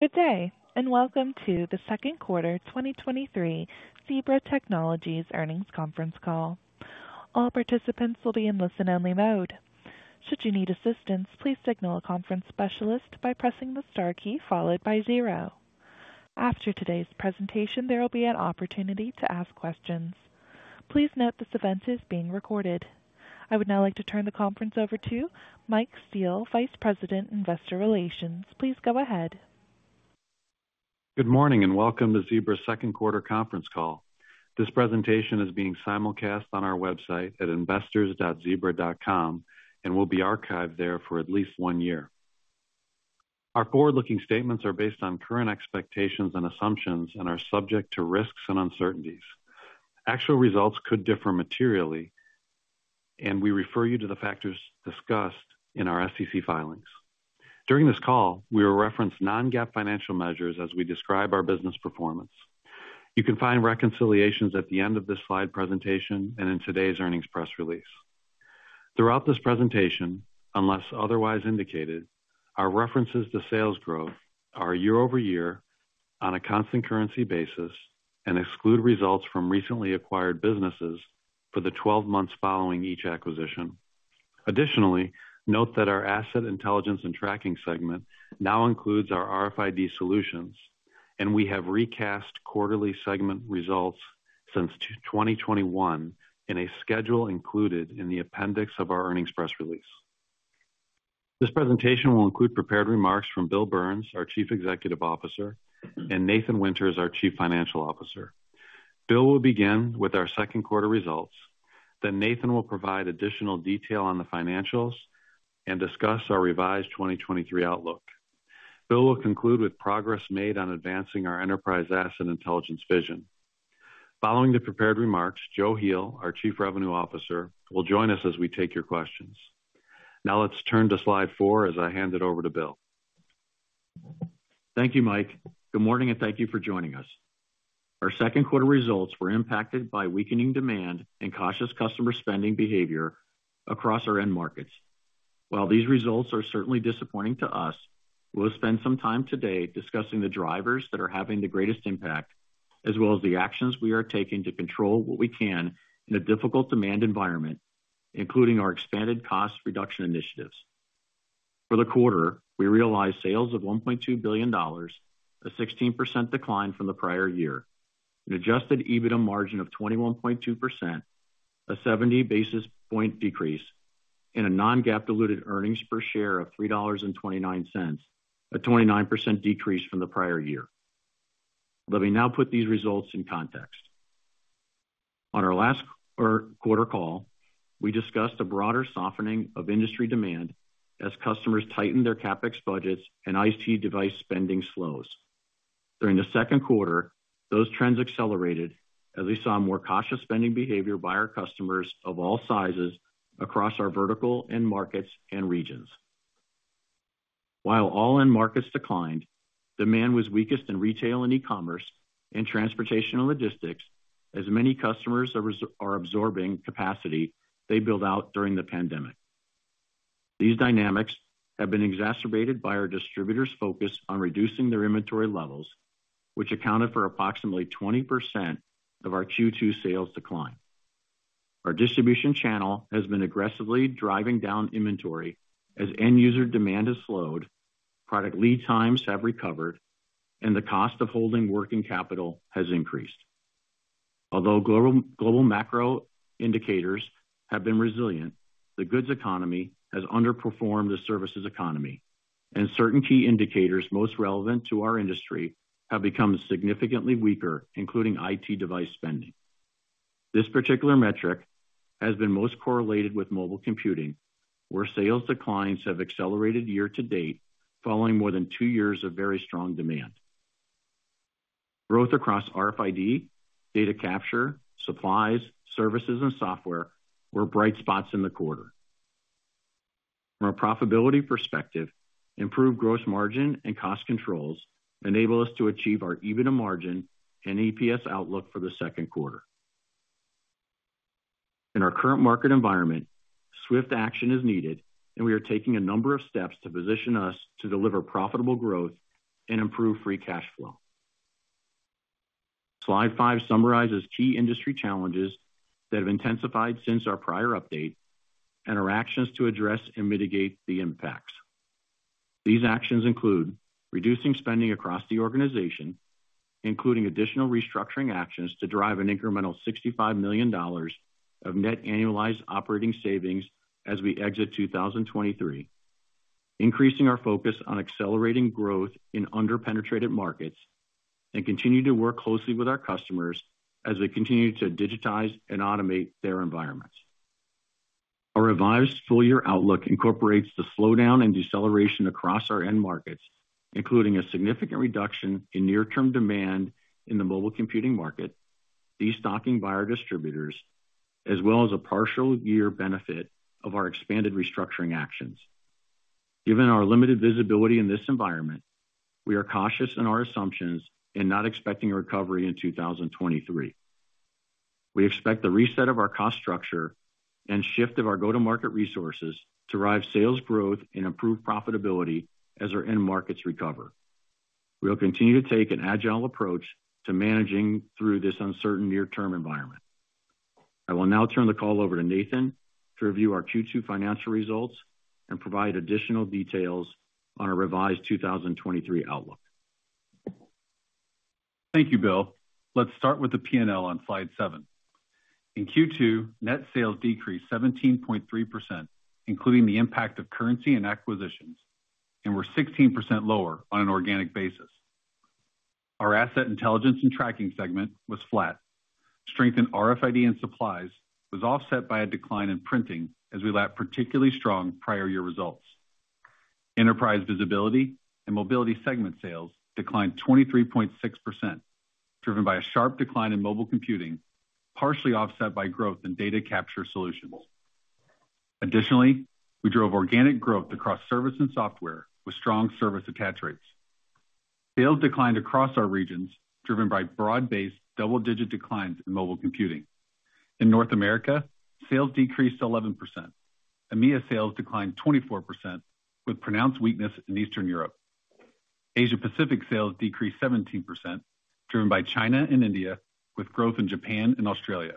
Good day, and welcome to the second quarter 2023 Zebra Technologies earnings conference call. All participants will be in listen-only mode. Should you need assistance, please signal a conference specialist by pressing the star key followed by zero. After today's presentation, there will be an opportunity to ask questions. Please note this event is being recorded. I would now like to turn the conference over to Mike Steele, Vice President, Investor Relations. Please go ahead. Good morning, and welcome to Zebra's second quarter conference call. This presentation is being simulcast on our website at investors.zebra.com and will be archived there for at least one year. Our forward-looking statements are based on current expectations and assumptions and are subject to risks and uncertainties. Actual results could differ materially, and we refer you to the factors discussed in our SEC filings. During this call, we will reference non-GAAP financial measures as we describe our business performance. You can find reconciliations at the end of this slide presentation and in today's earnings press release. Throughout this presentation, unless otherwise indicated, our references to sales growth are year-over-year on a constant currency basis and exclude results from recently acquired businesses for the 12 months following each acquisition. Additionally, note that our Asset Intelligence & Tracking segment now includes our RFID solutions, and we have recast quarterly segment results since 2021 in a schedule included in the appendix of our earnings press release. This presentation will include prepared remarks from Bill Burns, our Chief Executive Officer, and Nathan Winters, our Chief Financial Officer. Bill will begin with our second quarter results, then Nathan will provide additional detail on the financials and discuss our revised 2023 outlook. Bill will conclude with progress made on advancing our Enterprise Asset Intelligence vision. Following the prepared remarks, Joe Heel, our Chief Revenue Officer, will join us as we take your questions. Now let's turn to slide four as I hand it over to Bill. Thank you, Mike. Good morning, and thank you for joining us. Our second quarter results were impacted by weakening demand and cautious customer spending behavior across our end markets. While these results are certainly disappointing to us, we'll spend some time today discussing the drivers that are having the greatest impact, as well as the actions we are taking to control what we can in a difficult demand environment, including our expanded cost reduction initiatives. For the quarter, we realized sales of $1.2 billion, a 16% decline from the prior year, an adjusted EBITDA margin of 21.2%, a 70 basis point decrease, and a non-GAAP diluted earnings per share of $3.29, a 29% decrease from the prior year. Let me now put these results in context. On our last quarter call, we discussed a broader softening of industry demand as customers tightened their CapEx budgets and IT device spending slows. During the second quarter, those trends accelerated as we saw more cautious spending behavior by our customers of all sizes across our vertical end markets and regions. While all end markets declined, demand was weakest in retail and e-commerce and transportation and logistics, as many customers are absorbing capacity they built out during the pandemic. These dynamics have been exacerbated by our distributors' focus on reducing their inventory levels, which accounted for approximately 20% of our Q2 sales decline. Our distribution channel has been aggressively driving down inventory as end user demand has slowed, product lead times have recovered, and the cost of holding working capital has increased. Although global macro indicators have been resilient, the goods economy has underperformed the services economy, and certain key indicators most relevant to our industry have become significantly weaker, including IT device spending. This particular metric has been most correlated with mobile computing, where sales declines have accelerated year to date, following more than two years of very strong demand. Growth across RFID, data capture, supplies, services, and software were bright spots in the quarter. From a profitability perspective, improved gross margin and cost controls enable us to achieve our EBITDA margin and EPS outlook for the second quarter. In our current market environment, swift action is needed, and we are taking a number of steps to position us to deliver profitable growth and improve free cash flow. Slide five summarizes key industry challenges that have intensified since our prior update and our actions to address and mitigate the impacts. These actions include: reducing spending across the organization, including additional restructuring actions to drive an incremental $65 million of net annualized operating savings as we exit 2023, increasing our focus on accelerating growth in under-penetrated markets, continue to work closely with our customers as they continue to digitize and automate their environments. Our revised full year outlook incorporates the slowdown and deceleration across our end markets, including a significant reduction in near term demand in the mobile computing market, destocking by our distributors, as well as a partial year benefit of our expanded restructuring actions. Given our limited visibility in this environment, we are cautious in our assumptions and not expecting a recovery in 2023. We expect the reset of our cost structure and shift of our go-to-market resources to drive sales growth and improve profitability as our end markets recover. We'll continue to take an agile approach to managing through this uncertain near-term environment. I will now turn the call over to Nathan to review our Q2 financial results and provide additional details on our revised 2023 outlook. Thank you, Bill. Let's start with the P&L on slide seven. In Q2, net sales decreased 17.3%, including the impact of currency and acquisitions, and were 16% lower on an organic basis. Our Asset Intelligence & Tracking segment was flat. Strengthen RFID and supplies was offset by a decline in printing as we lap particularly strong prior year results. Enterprise Visibility & Mobility segment sales declined 23.6%, driven by a sharp decline in mobile computing, partially offset by growth in data capture solutions. We drove organic growth across service and software with strong service attach rates. Sales declined across our regions, driven by broad-based double-digit declines in mobile computing. In North America, sales decreased 11%. EMEA sales declined 24%, with pronounced weakness in Eastern Europe. Asia Pacific sales decreased 17%, driven by China and India, with growth in Japan and Australia.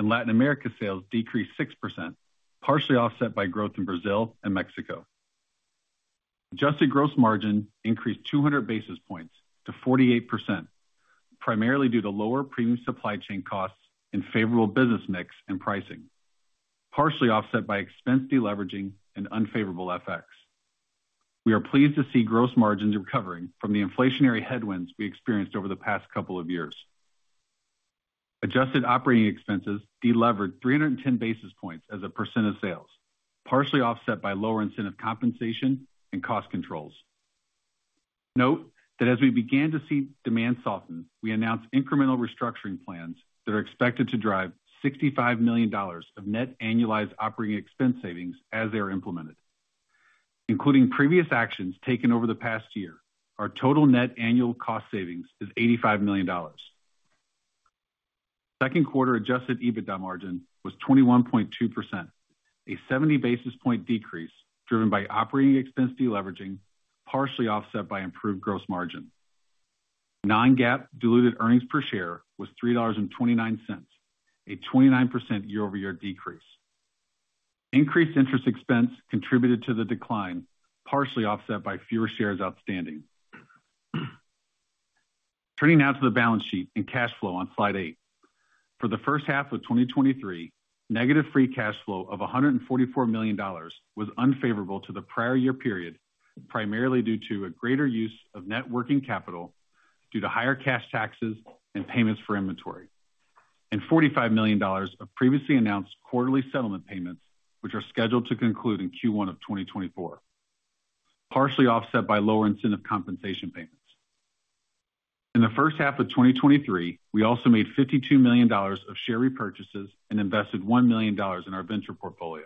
Latin America sales decreased 6%, partially offset by growth in Brazil and Mexico. Adjusted gross margin increased 200 basis points to 48%, primarily due to lower premium supply chain costs and favorable business mix and pricing, partially offset by expense deleveraging and unfavorable FX. We are pleased to see gross margins recovering from the inflationary headwinds we experienced over the past couple of years. Adjusted operating expenses delevered 310 basis points as a % of sales, partially offset by lower incentive compensation and cost controls. Note that as we began to see demand soften, we announced incremental restructuring plans that are expected to drive $65 million of net annualized operating expense savings as they are implemented. Including previous actions taken over the past year, our total net annual cost savings is $85 million. Second quarter adjusted EBITDA margin was 21.2%, a 70 basis point decrease, driven by operating expense deleveraging, partially offset by improved gross margin. Non-GAAP diluted earnings per share was $3.29, a 29% year-over-year decrease. Increased interest expense contributed to the decline, partially offset by fewer shares outstanding. Turning now to the balance sheet and cash flow on slide eight. For the first half of 2023, negative free cash flow of $144 million was unfavorable to the prior year period, primarily due to a greater use of net working capital due to higher cash taxes and payments for inventory, and $45 million of previously announced quarterly settlement payments, which are scheduled to conclude in Q1 of 2024, partially offset by lower incentive compensation payments. In the first half of 2023, we also made $52 million of share repurchases and invested $1 million in our venture portfolio.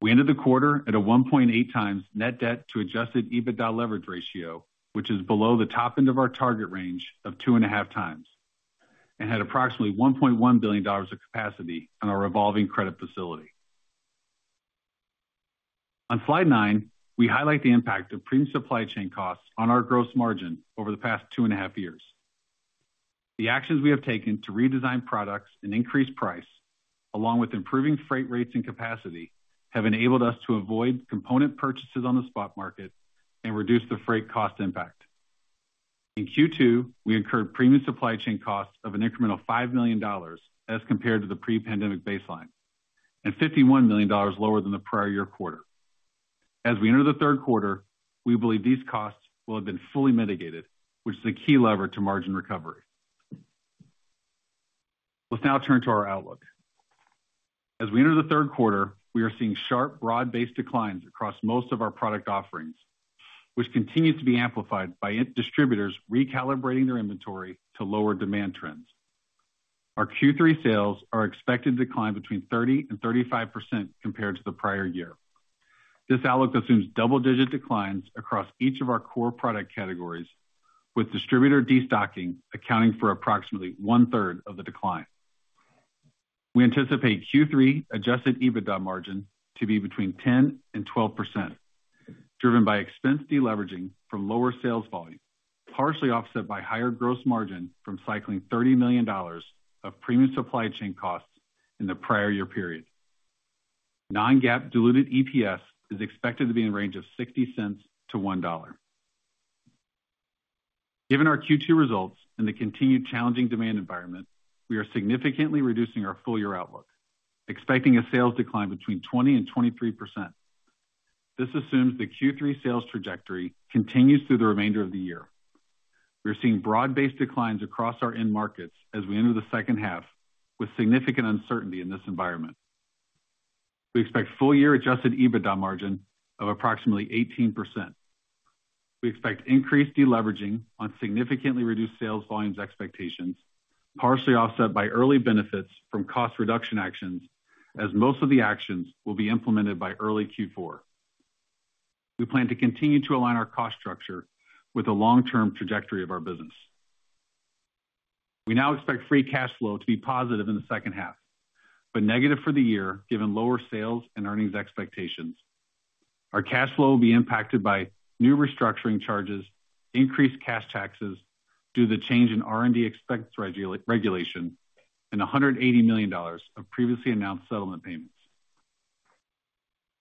We ended the quarter at a 1.8x net debt to adjusted EBITDA leverage ratio, which is below the top end of our target range of 2.5x, and had approximately $1.1 billion of capacity on our revolving credit facility. On slide nine, we highlight the impact of premium supply chain costs on our gross margin over the past 2.5 years. The actions we have taken to redesign products and increase price, along with improving freight rates and capacity, have enabled us to avoid component purchases on the spot market and reduce the freight cost impact. In Q2, we incurred premium supply chain costs of an incremental $5 million as compared to the pre-pandemic baseline, and $51 million lower than the prior year quarter. As we enter the third quarter, we believe these costs will have been fully mitigated, which is a key lever to margin recovery. Let's now turn to our outlook. As we enter the third quarter, we are seeing sharp, broad-based declines across most of our product offerings, which continue to be amplified by its distributors recalibrating their inventory to lower demand trends. Our Q3 sales are expected to decline between 30%-35% compared to the prior year. This outlook assumes double-digit declines across each of our core product categories, with distributor destocking accounting for approximately one-third of the decline. We anticipate Q3 adjusted EBITDA margin to be between 10%-12%, driven by expense deleveraging from lower sales volume, partially offset by higher gross margin from cycling $30 million of premium supply chain costs in the prior year period. Non-GAAP diluted EPS is expected to be in the range of $0.60-$1.00. Given our Q2 results and the continued challenging demand environment, we are significantly reducing our full-year outlook, expecting a sales decline between 20% and 23%. This assumes the Q3 sales trajectory continues through the remainder of the year. We are seeing broad-based declines across our end markets as we enter the second half, with significant uncertainty in this environment. We expect full-year adjusted EBITDA margin of approximately 18%. We expect increased deleveraging on significantly reduced sales volumes expectations, partially offset by early benefits from cost reduction actions, as most of the actions will be implemented by early Q4. We plan to continue to align our cost structure with the long-term trajectory of our business. We now expect free cash flow to be positive in the second half, but negative for the year, given lower sales and earnings expectations. Our cash flow will be impacted by new restructuring charges, increased cash taxes due to the change in R&D expense regulation, and $180 million of previously announced settlement payments.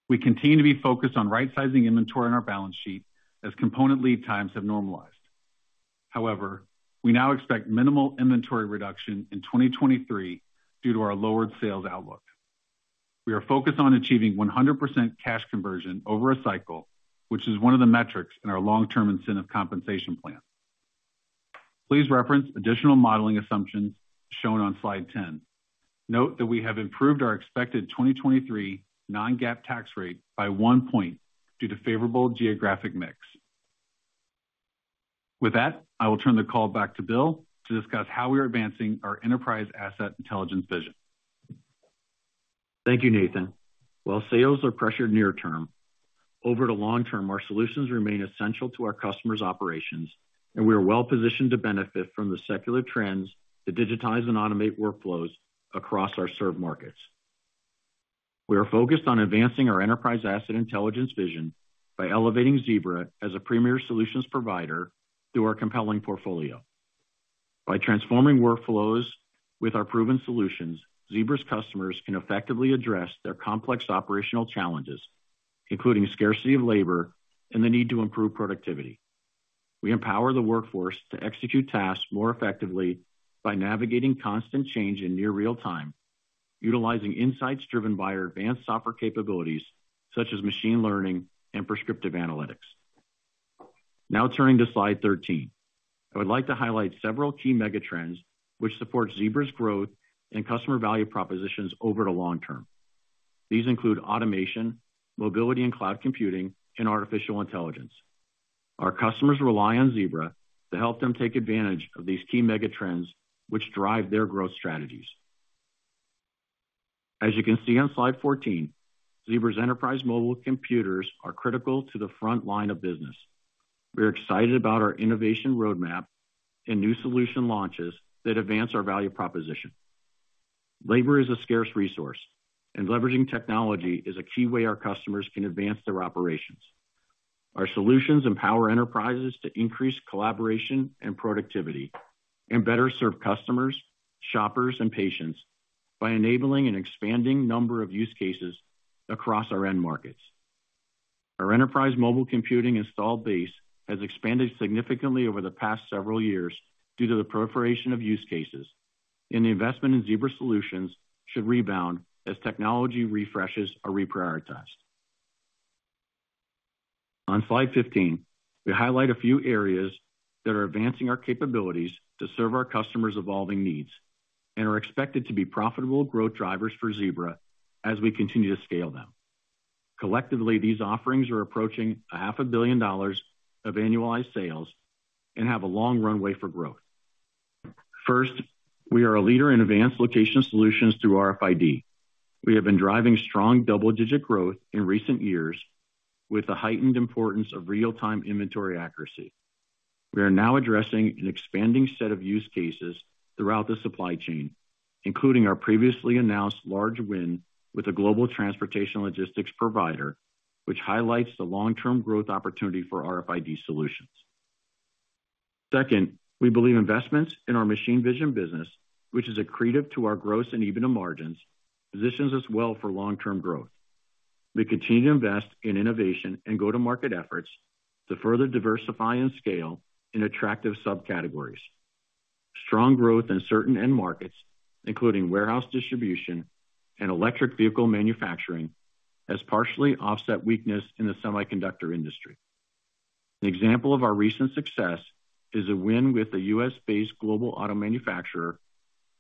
We continue to be focused on right-sizing inventory on our balance sheet as component lead times have normalized. We now expect minimal inventory reduction in 2023 due to our lowered sales outlook. We are focused on achieving 100% cash conversion over a cycle, which is one of the metrics in our long-term incentive compensation plan. Please reference additional modeling assumptions shown on slide 10. Note that we have improved our expected 2023 non-GAAP tax rate by one point due to favorable geographic mix. With that, I will turn the call back to Bill to discuss how we are advancing our Enterprise Asset Intelligence vision. Thank you, Nathan. While sales are pressured near term, over the long term, our solutions remain essential to our customers' operations, we are well positioned to benefit from the secular trends to digitize and automate workflows across our served markets. We are focused on advancing our Enterprise Asset Intelligence vision by elevating Zebra as a premier solutions provider through our compelling portfolio. By transforming workflows with our proven solutions, Zebra's customers can effectively address their complex operational challenges, including scarcity of labor and the need to improve productivity. We empower the workforce to execute tasks more effectively by navigating constant change in near real time, utilizing insights driven by our advanced software capabilities, such as machine learning and prescriptive analytics. Turning to slide 13. I would like to highlight several key megatrends which support Zebra's growth and customer value propositions over the long term. These include automation, mobility and cloud computing, and artificial intelligence. Our customers rely on Zebra to help them take advantage of these key megatrends, which drive their growth strategies. As you can see on slide 14, Zebra's enterprise mobile computers are critical to the front line of business. We are excited about our innovation roadmap and new solution launches that advance our value proposition. Labor is a scarce resource, and leveraging technology is a key way our customers can advance their operations. Our solutions empower enterprises to increase collaboration and productivity, and better serve customers, shoppers, and patients by enabling an expanding number of use cases across our end markets. Our enterprise mobile computing installed base has expanded significantly over the past several years due to the proliferation of use cases, and the investment in Zebra solutions should rebound as technology refreshes are reprioritized. On slide 15, we highlight a few areas that are advancing our capabilities to serve our customers' evolving needs and are expected to be profitable growth drivers for Zebra as we continue to scale them. Collectively, these offerings are approaching $500 million of annualized sales and have a long runway for growth. First, we are a leader in advanced location solutions through RFID. We have been driving strong double-digit growth in recent years with the heightened importance of real-time inventory accuracy. We are now addressing an expanding set of use cases throughout the supply chain, including our previously announced large win with a global transportation logistics provider, which highlights the long-term growth opportunity for RFID solutions. Second, we believe investments in our machine vision business, which is accretive to our gross and EBITDA margins, positions us well for long-term growth. We continue to invest in innovation and go-to-market efforts to further diversify and scale in attractive subcategories. Strong growth in certain end markets, including warehouse distribution and electric vehicle manufacturing, has partially offset weakness in the semiconductor industry. An example of our recent success is a win with a U.S.-based global auto manufacturer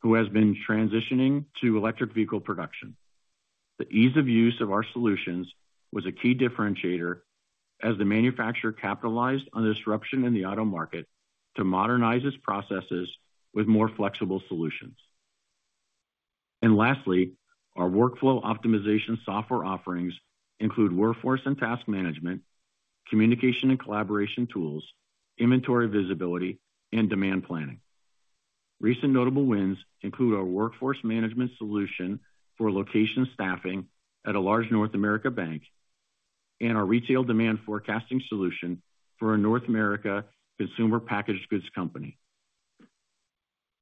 who has been transitioning to electric vehicle production. The ease of use of our solutions was a key differentiator as the manufacturer capitalized on the disruption in the auto market to modernize its processes with more flexible solutions. Lastly, our workflow optimization software offerings include workforce and task management, communication and collaboration tools, inventory visibility, and demand planning. Recent notable wins include our workforce management solution for location staffing at a large North America bank, and our retail demand forecasting solution for a North America consumer packaged goods company.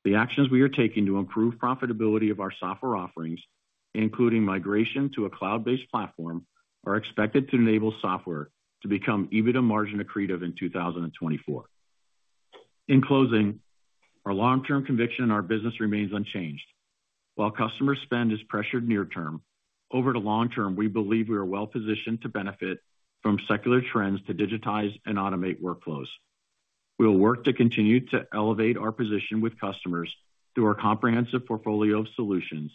The actions we are taking to improve profitability of our software offerings, including migration to a cloud-based platform, are expected to enable software to become EBITDA margin accretive in 2024. In closing, our long-term conviction in our business remains unchanged. While customer spend is pressured near term, over the long term, we believe we are well positioned to benefit from secular trends to digitize and automate workflows. We will work to continue to elevate our position with customers through our comprehensive portfolio of solutions,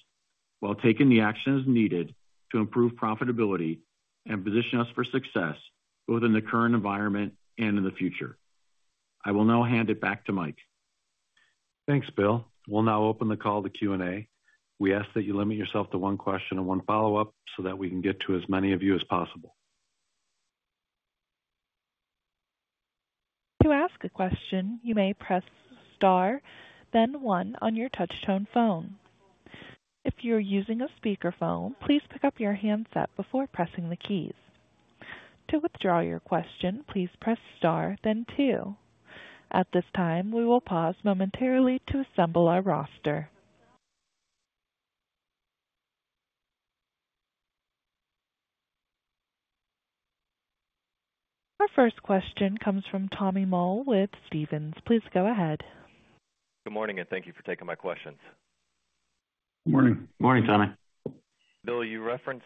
while taking the actions needed to improve profitability and position us for success, both in the current environment and in the future. I will now hand it back to Mike. Thanks, Bill. We'll now open the call to Q&A. We ask that you limit yourself to one question and one follow-up so that we can get to as many of you as possible. To ask a question, you may press star, then one on your touchtone phone. If you're using a speakerphone, please pick up your handset before pressing the keys. To withdraw your question, please press star then two. At this time, we will pause momentarily to assemble our roster. Our first question comes from Tommy Moll with Stephens. Please go ahead. Good morning, and thank you for taking my questions. Morning. Morning, Tommy. Bill, you referenced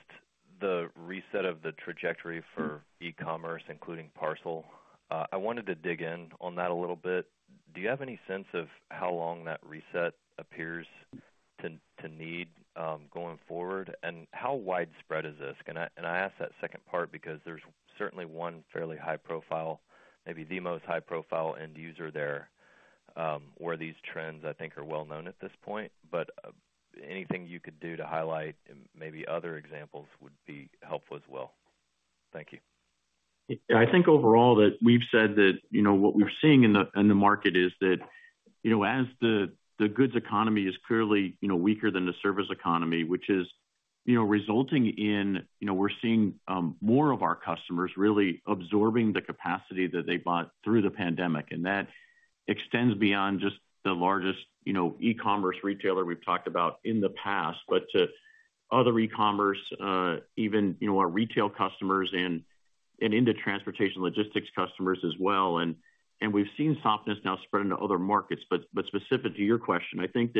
the reset of the trajectory for e-commerce, including parcel. I wanted to dig in on that a little bit. Do you have any sense of how long that reset appears to, to need, going forward? How widespread is this? I, and I ask that second part because there's certainly one fairly high profile, maybe the most high profile end user there, where these trends, I think, are well known at this point. Anything you could do to highlight and maybe other examples would be helpful as well. Thank you. Yeah, I think overall that we've said that, you know, what we're seeing in the, in the market is that, you know, as the, the goods economy is clearly, you know, weaker than the service economy, which is, you know, resulting in, you know, we're seeing, more of our customers really absorbing the capacity that they bought through the pandemic, and that extends beyond just the largest, you know, e-commerce retailer we've talked about in the past, but to other e-commerce, even, you know, our retail customers and, and into transportation logistics customers as well. We've seen softness now spread into other markets. But specific to your question, I think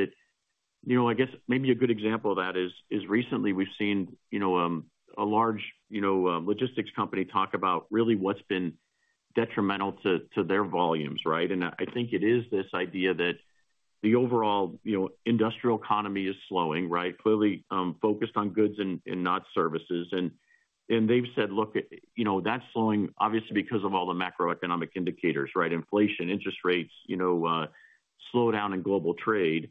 that, you know, I guess maybe a good example of that is, is recently we've seen, you know, a large, you know, logistics company talk about really what's been detrimental to their volumes, right? I think it is this idea that the overall, you know, industrial economy is slowing, right? Clearly, focused on goods and not services. They've said, look, you know, that's slowing, obviously, because of all the macroeconomic indicators, right? Inflation, interest rates, you know, slowdown in global trade.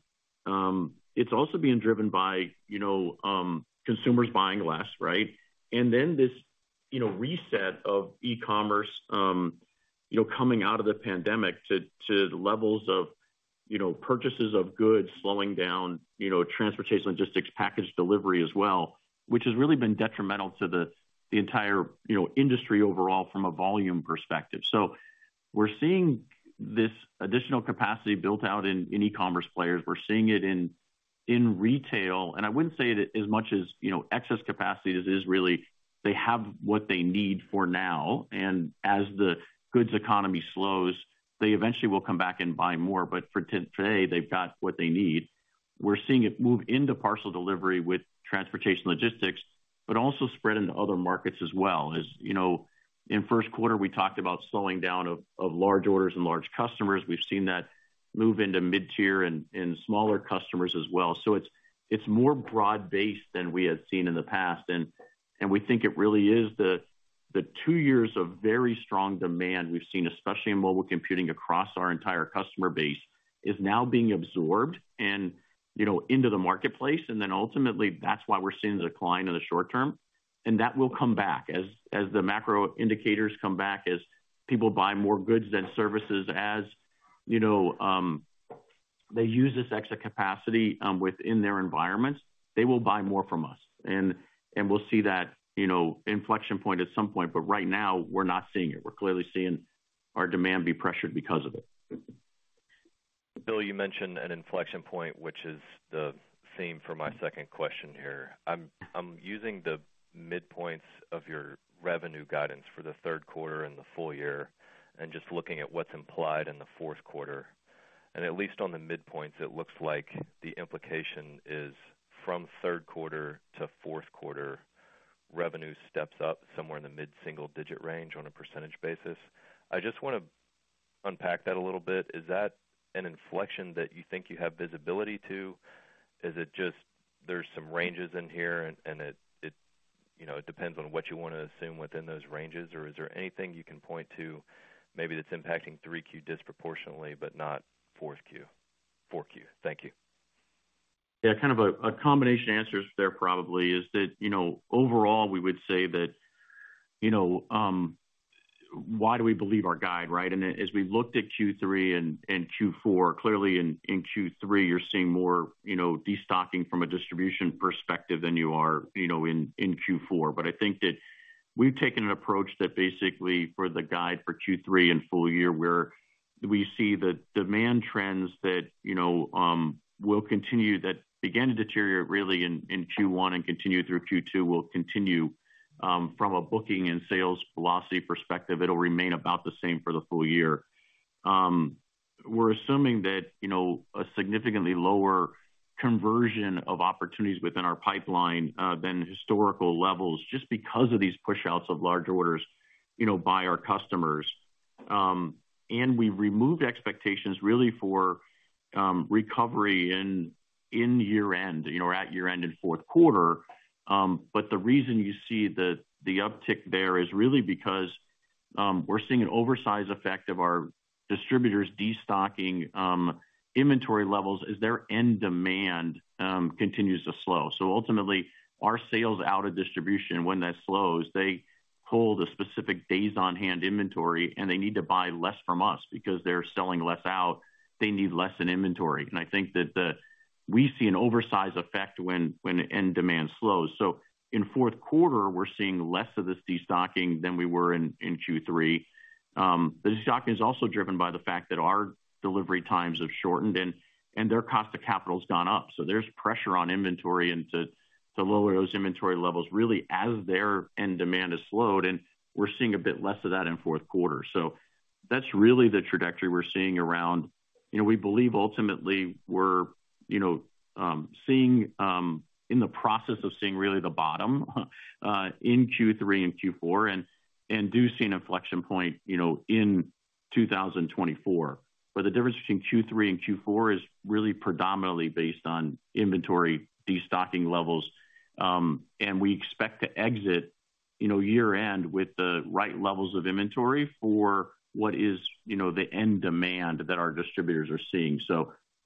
It's also being driven by, you know, consumers buying less, right? Then this, you know, reset of e-commerce, you know, coming out of the pandemic to levels of, you know, purchases of goods slowing down, you know, transportation, logistics, package delivery as well, which has really been detrimental to the entire, you know, industry overall from a volume perspective. We're seeing this additional capacity built out in e-commerce players. We're seeing it in retail, and I wouldn't say it as much as, you know, excess capacity as is really they have what they need for now, and as the goods economy slows, they eventually will come back and buy more. For today, they've got what they need. We're seeing it move into parcel delivery with transportation logistics, but also spread into other markets as well. As you know, in first quarter, we talked about slowing down of large orders and large customers. We've seen that move into mid-tier and smaller customers as well. It's more broad-based than we had seen in the past, and we think it really is the two years of very strong demand we've seen, especially in mobile computing across our entire customer base, is now being absorbed, you know, into the marketplace, and ultimately that's why we're seeing the decline in the short term. That will come back. As the macro indicators come back, as people buy more goods than services, as, you know, they use this extra capacity within their environments, they will buy more from us, and we'll see that, you know, inflection point at some point, but right now we're not seeing it. We're clearly seeing our demand be pressured because of it. Bill, you mentioned an inflection point, which is the theme for my second question here. I'm using the midpoints of your revenue guidance for the third quarter and the full year, just looking at what's implied in the fourth quarter. At least on the midpoints, it looks like the implication is from third quarter to fourth quarter, revenue steps up somewhere in the mid-single digit range on a percentage basis. I just want to unpack that a little bit. Is that an inflection that you think you have visibility to? Is it just there's some ranges in here, you know, it depends on what you want to assume within those ranges. Is there anything you can point to maybe that's impacting 3Q disproportionately but not 4Q? Thank you. Yeah, kind of a, a combination answer there probably is that, you know, overall, we would say that, you know, why do we believe our guide, right? As we looked at Q3 and, and Q4, clearly in, in Q3, you're seeing more, you know, destocking from a distribution perspective than you are, you know, in, in Q4. I think that we've taken an approach that basically for the guide for Q3 and full year, where we see the demand trends that, you know, will continue, that began to deteriorate really in, in Q1 and continue through Q2, will continue, from a booking and sales velocity perspective, it'll remain about the same for the full year. We're assuming that, you know, a significantly lower conversion of opportunities within our pipeline than historical levels, just because of these push outs of large orders, you know, by our customers. We've removed expectations really for recovery in year-end, you know, or at year-end in fourth quarter. The reason you see the uptick there is really because. We're seeing an oversize effect of our distributors destocking inventory levels as their end demand continues to slow. Ultimately, our sales out of distribution, when that slows, they hold a specific days on hand inventory, and they need to buy less from us. They're selling less out, they need less in inventory. I think that we see an oversize effect when end demand slows. In fourth quarter, we're seeing less of this destocking than we were in Q3. The destocking is also driven by the fact that our delivery times have shortened and their cost of capital has gone up. There's pressure on inventory and to lower those inventory levels, really, as their end demand has slowed, and we're seeing a bit less of that in fourth quarter. That's really the trajectory we're seeing around. You know, we believe ultimately we're, you know, seeing in the process of seeing really the bottom in Q3 and Q4, and do see an inflection point, you know, in 2024. The difference between Q3 and Q4 is really predominantly based on inventory, destocking levels, and we expect to exit, you know, year-end with the right levels of inventory for what is, you know, the end demand that our distributors are seeing.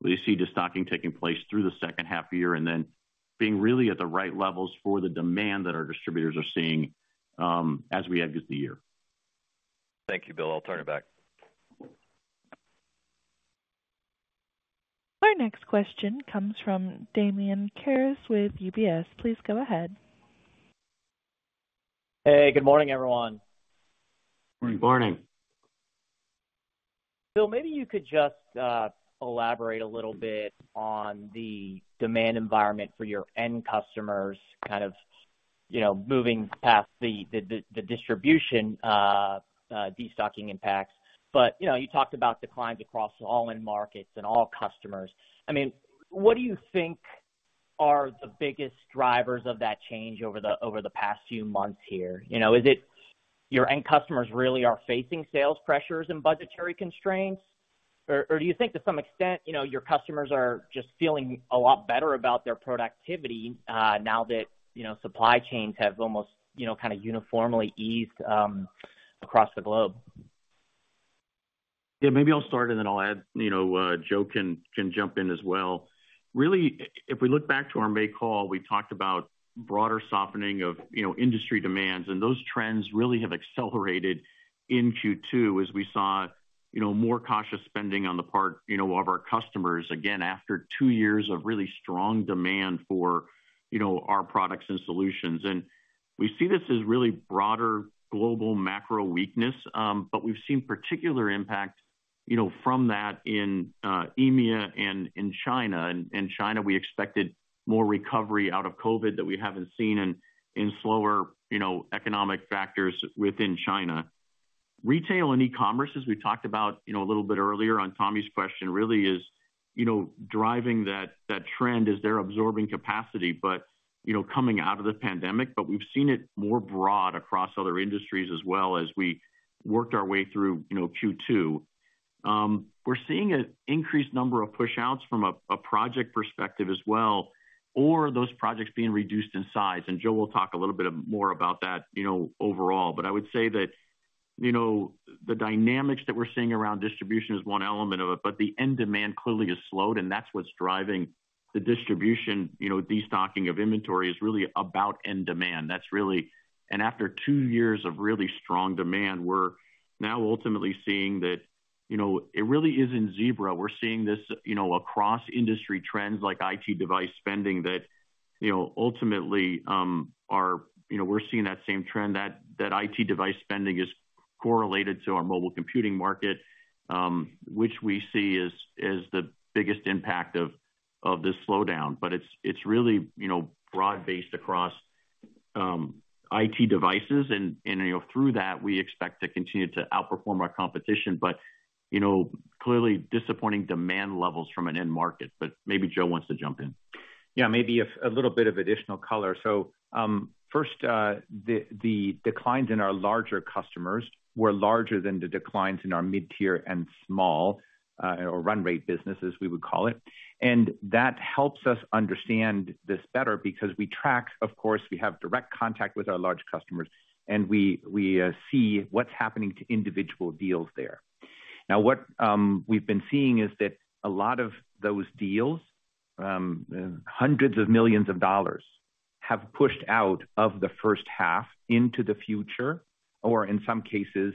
We see destocking taking place through the second half of the year and then being really at the right levels for the demand that our distributors are seeing as we end the year. Thank you, Bill. I'll turn it back. Our next question comes from Damian Karas with UBS. Please go ahead. Hey, good morning, everyone. Good morning. Bill, maybe you could just elaborate a little bit on the demand environment for your end customers, kind of, you know, moving past the, the, the distribution, destocking impacts. You know, you talked about declines across all end markets and all customers. I mean, what do you think are the biggest drivers of that change over the past few months here? You know, is it your end customers really are facing sales pressures and budgetary constraints? Or, or do you think to some extent, you know, your customers are just feeling a lot better about their productivity, now that, you know, supply chains have almost, you know, kind of uniformly eased across the globe? Yeah, maybe I'll start, and then I'll add, you know, Joe can jump in as well. Really, if we look back to our May call, we talked about broader softening of, you know, industry demands, those trends really have accelerated in Q2 as we saw, you know, more cautious spending on the part, you know, of our customers. Again, after two years of really strong demand for, you know, our products and solutions. We see this as really broader global macro weakness, but we've seen particular impact, you know, from that in EMEA and in China. In China, we expected more recovery out of COVID that we haven't seen and in slower, you know, economic factors within China. Retail and e-commerce, as we talked about, you know, a little bit earlier on Tommy's question, really is, you know, driving that, that trend as they're absorbing capacity, but, you know, coming out of the pandemic, but we've seen it more broad across other industries as well, as we worked our way through, you know, Q2. We're seeing an increased number of pushouts from a, a project perspective as well, or those projects being reduced in size. Joe will talk a little bit more about that, you know, overall. I would say that, you know, the dynamics that we're seeing around distribution is one element of it, but the end demand clearly has slowed, and that's what's driving the distribution. You know, destocking of inventory is really about end demand. That's really. After two years of really strong demand, we're now ultimately seeing that, you know, it really is in Zebra. We're seeing this, you know, across industry trends like IT device spending, that, you know, ultimately, you know, we're seeing that same trend, that, that IT device spending is correlated to our mobile computing market, which we see as, as the biggest impact of, of this slowdown. It's, it's really, you know, broad-based across IT devices and, and, you know, through that, we expect to continue to outperform our competition. Clearly disappointing demand levels from an end market. Maybe Joe wants to jump in. Yeah, maybe a little bit of additional color. First, the declines in our larger customers were larger than the declines in our mid-tier and small or run rate business, as we would call it. That helps us understand this better because we track, of course, we have direct contact with our large customers, and we, we see what's happening to individual deals there. What we've been seeing is that a lot of those deals, hundreds of millions of dollars, have pushed out of the first half into the future, or in some cases,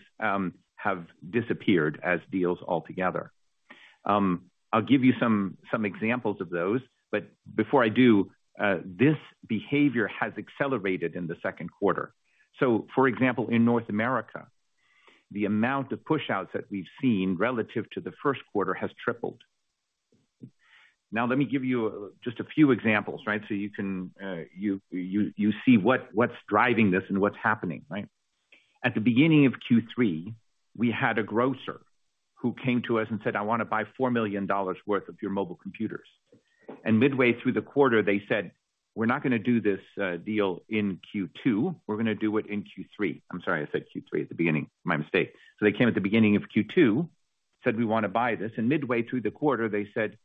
have disappeared as deals altogether. I'll give you some examples of those, but before I do, this behavior has accelerated in the second quarter. For example, in North America, the amount of pushouts that we've seen relative to the first quarter has tripled. Let me give you just a few examples, right, so you can you, you, you see what, what's driving this and what's happening, right? At the beginning of Q3, we had a grocer who came to us and said, "I want to buy $4 million worth of your mobile computers." Midway through the quarter, they said, "We're not going to do this deal in Q2. We're going to do it in Q3." I'm sorry, I said Q3 at the beginning. My mistake. They came at the beginning of Q2-... said we want to buy this. Midway through the quarter, they said,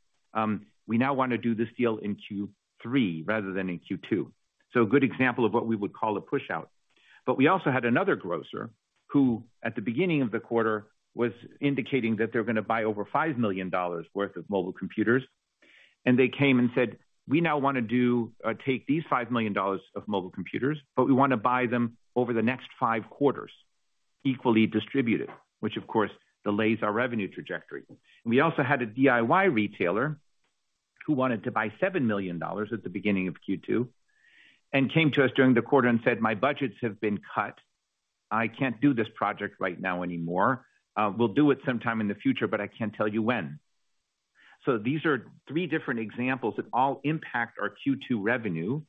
"We now want to do this deal in Q3 rather than in Q2." A good example of what we would call a pushout. We also had another grocer who, at the beginning of the quarter, was indicating that they're going to buy over $5 million worth of mobile computers. They came and said, "We now want to do, take these $5 million of mobile computers, but we want to buy them over the next five quarters, equally distributed," which, of course, delays our revenue trajectory. We also had a DIY retailer who wanted to buy $7 million at the beginning of Q2, and came to us during the quarter and said, "My budgets have been cut. I can't do this project right now anymore. We'll do it sometime in the future, but I can't tell you when." These are three different examples that all impact our Q2 revenue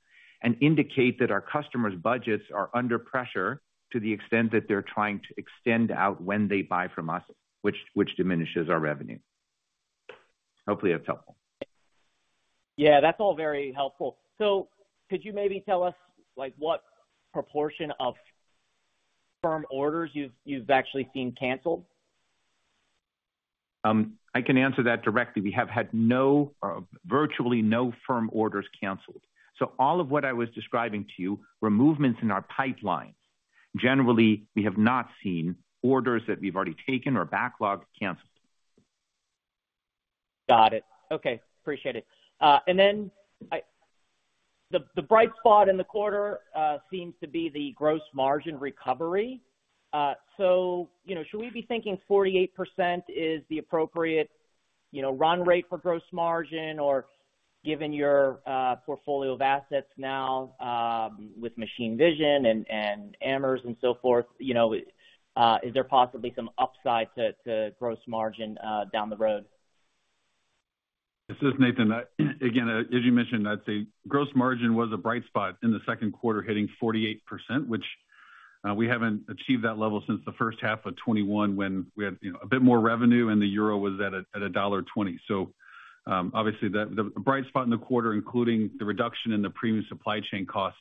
and indicate that our customers' budgets are under pressure to the extent that they're trying to extend out when they buy from us, which, which diminishes our revenue. Hopefully, that's helpful. Yeah, that's all very helpful. Could you maybe tell us, like, what proportion of firm orders you've, you've actually seen canceled? I can answer that directly. We have had no, or virtually no firm orders canceled. All of what I was describing to you were movements in our pipeline. Generally, we have not seen orders that we've already taken or backlogged, canceled. Got it. Okay, appreciate it. Then the bright spot in the quarter seems to be the gross margin recovery. You know, should we be thinking 48% is the appropriate, you know, run rate for gross margin? Given your portfolio of assets now, with Machine Vision and AMRs and so forth, you know, is there possibly some upside to gross margin down the road? This is Nathan. Again, as you mentioned, I'd say gross margin was a bright spot in the second quarter, hitting 48%, which we haven't achieved that level since the first half of 2021, when we had, you know, a bit more revenue and the euro was at a $1.20. Obviously, the bright spot in the quarter, including the reduction in the premium supply chain costs,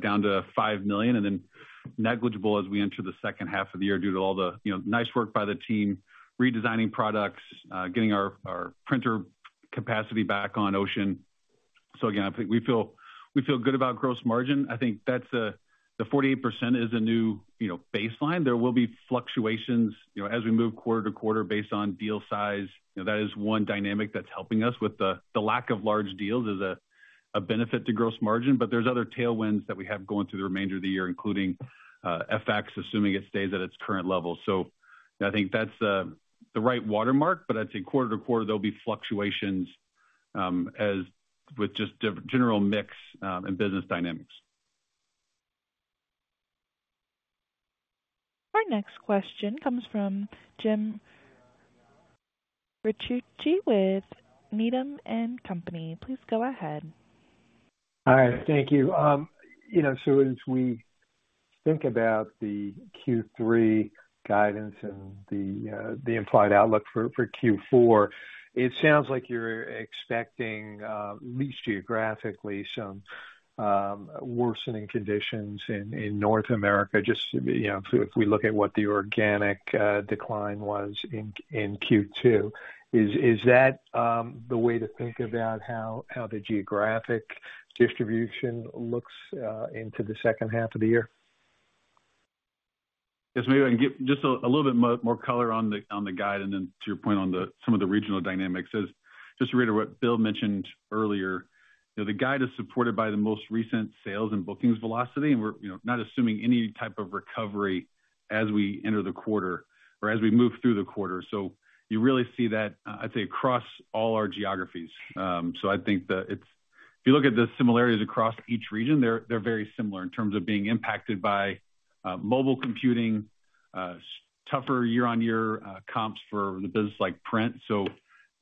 down to $5 million, and then negligible as we enter the second half of the year, due to all the, you know, nice work by the team, redesigning products, getting our printer capacity back on ocean. Again, I think we feel, we feel good about gross margin. I think that's a. The 48% is a new, you know, baseline. There will be fluctuations, you know, as we move quarter to quarter based on deal size. You know, that is one dynamic that's helping us with the, the lack of large deals is a, a benefit to gross margin. There's other tailwinds that we have going through the remainder of the year, including FX, assuming it stays at its current level. I think that's the, the right watermark, but I'd say quarter to quarter, there'll be fluctuations, as with just the general mix, and business dynamics. Our next question comes from James Ricchiuti with Needham & Company. Please go ahead. Hi, thank you. You know, so as we think about the Q3 guidance and the, the implied outlook for, for Q4, it sounds like you're expecting, at least geographically, some worsening conditions in North America, just to be, you know, if we look at what the organic decline was in Q2. Is that the way to think about how the geographic distribution looks into the second half of the year? Yes, maybe I can give just a, a little bit more, more color on the, on the guide, and then to your point on the, some of the regional dynamics is, just to reiterate what Bill mentioned earlier. You know, the guide is supported by the most recent sales and bookings velocity, and we're, you know, not assuming any type of recovery as we enter the quarter or as we move through the quarter. You really see that, I'd say, across all our geographies. I think that it's... If you look at the similarities across each region, they're, they're very similar in terms of being impacted by mobile computing, tougher year-on-year comps for the business like print.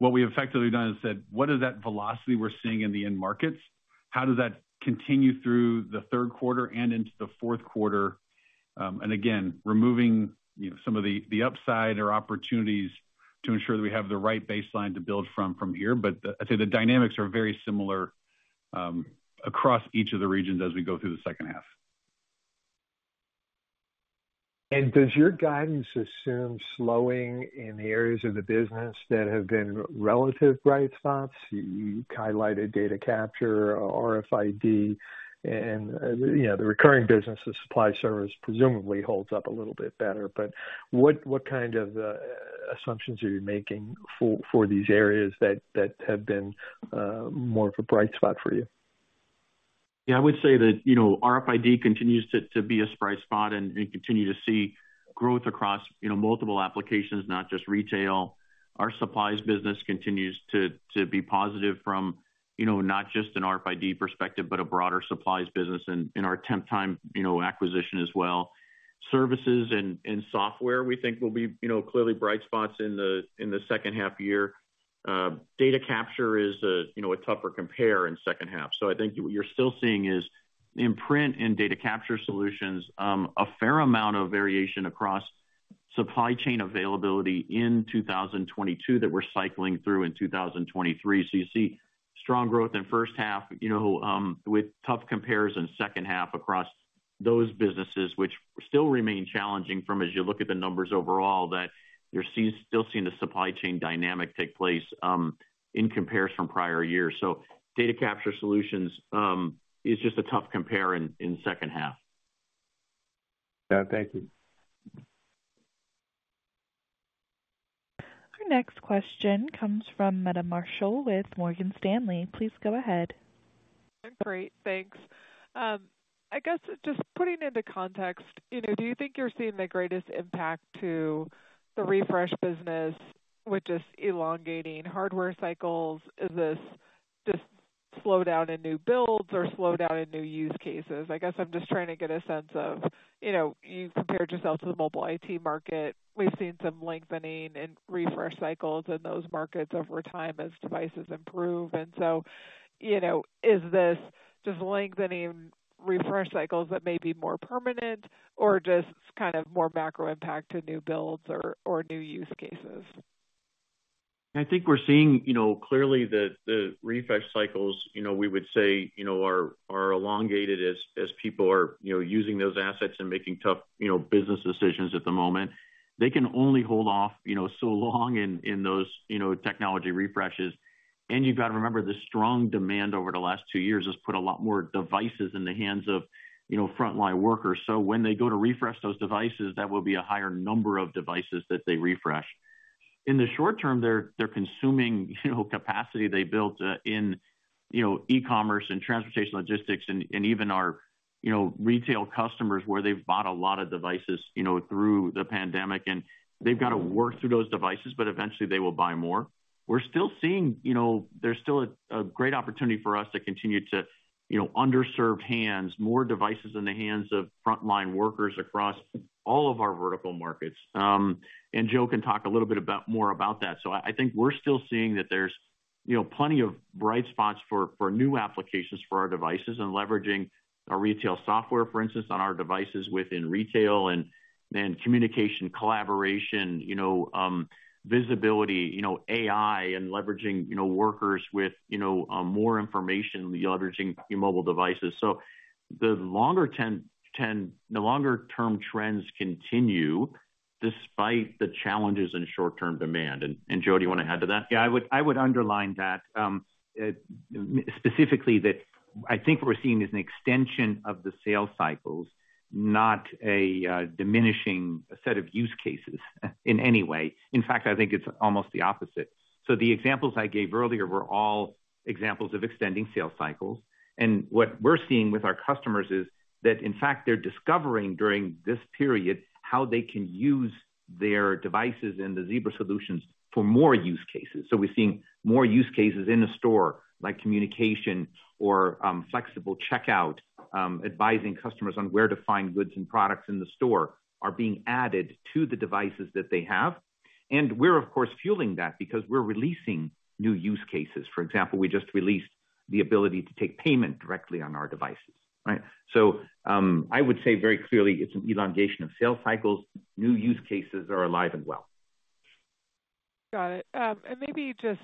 What we effectively done is said: What is that velocity we're seeing in the end markets? How does that continue through the third quarter and into the fourth quarter? Again, removing, you know, some of the, the upside or opportunities to ensure that we have the right baseline to build from, from here. I'd say the dynamics are very similar, across each of the regions as we go through the second half. Does your guidance assume slowing in the areas of the business that have been relative bright spots? You highlighted data capture, RFID, and, you know, the recurring business, the supply service presumably holds up a little bit better. What, what kind of assumptions are you making for, for these areas that, that have been more of a bright spot for you? Yeah, I would say that, you know, RFID continues to, to be a bright spot and, and continue to see growth across, you know, multiple applications, not just retail. Our supplies business continues to, to be positive from, you know, not just an RFID perspective, but a broader supplies business and in our Temptime, you know, acquisition as well. Services and, and software, we think will be, you know, clearly bright spots in the, in the second half year. Data capture is a, you know, a tougher compare in second half. I think what you're still seeing is in print and data capture solutions, a fair amount of variation across supply chain availability in 2022 that we're cycling through in 2023. You see...... strong growth in first half, you know, with tough compares in second half across those businesses, which still remain challenging from as you look at the numbers overall, that you're still seeing the supply chain dynamic take place, in comparison from prior years. Data capture solutions is just a tough compare in second half. Yeah, thank you. Our next question comes from Meta Marshall with Morgan Stanley. Please go ahead. Great. Thanks. I guess just putting into context, you know, do you think you're seeing the greatest impact to the refresh business, which is elongating hardware cycles? Is this just slowdown in new builds or slowdown in new use cases? I guess I'm just trying to get a sense of, you know, you compared yourself to the mobile IT market. We've seen some lengthening in refresh cycles in those markets over time as devices improve. You know, is this just lengthening refresh cycles that may be more permanent or just kind of more macro impact to new builds or, or new use cases? I think we're seeing, you know, clearly that the refresh cycles, you know, we would say, you know, are, are elongated as, as people are, you know, using those assets and making tough, you know, business decisions at the moment. They can only hold off, you know, so long in, in those, you know, technology refreshes. You've got to remember, the strong demand over the last two years has put a lot more devices in the hands of, you know, frontline workers. When they go to refresh those devices, that will be a higher number of devices that they refresh. In the short term, they're, they're consuming, you know, capacity they built, in, you know, e-commerce and transportation logistics and, and even our, you know, retail customers, where they've bought a lot of devices, you know, through the pandemic, and they've got to work through those devices, but eventually they will buy more. We're still seeing, you know, there's still a, a great opportunity for us to continue to, you know, underserved hands, more devices in the hands of frontline workers across all of our vertical markets. Joe can talk a little bit about more about that. I, I think we're still seeing that there's, you know, plenty of bright spots for, for new applications for our devices and leveraging our retail software, for instance, on our devices within retail and, and communication, collaboration, you know, visibility, you know, AI and leveraging, you know, workers with, you know, more information, leveraging your mobile devices. The longer term trends continue despite the challenges in short-term demand. Joe, do you want to add to that? Yeah, I would, I would underline that specifically that I think what we're seeing is an extension of the sales cycles, not a diminishing set of use cases in any way. In fact, I think it's almost the opposite. The examples I gave earlier were all examples of extending sales cycles. What we're seeing with our customers is that, in fact, they're discovering during this period how they can use their devices and the Zebra solutions for more use cases. We're seeing more use cases in the store, like communication or flexible checkout, advising customers on where to find goods and products in the store, are being added to the devices that they have. We're, of course, fueling that because we're releasing new use cases. For example, we just released the ability to take payment directly on our devices, right? I would say very clearly it's an elongation of sales cycles. New use cases are alive and well. Got it. Maybe just,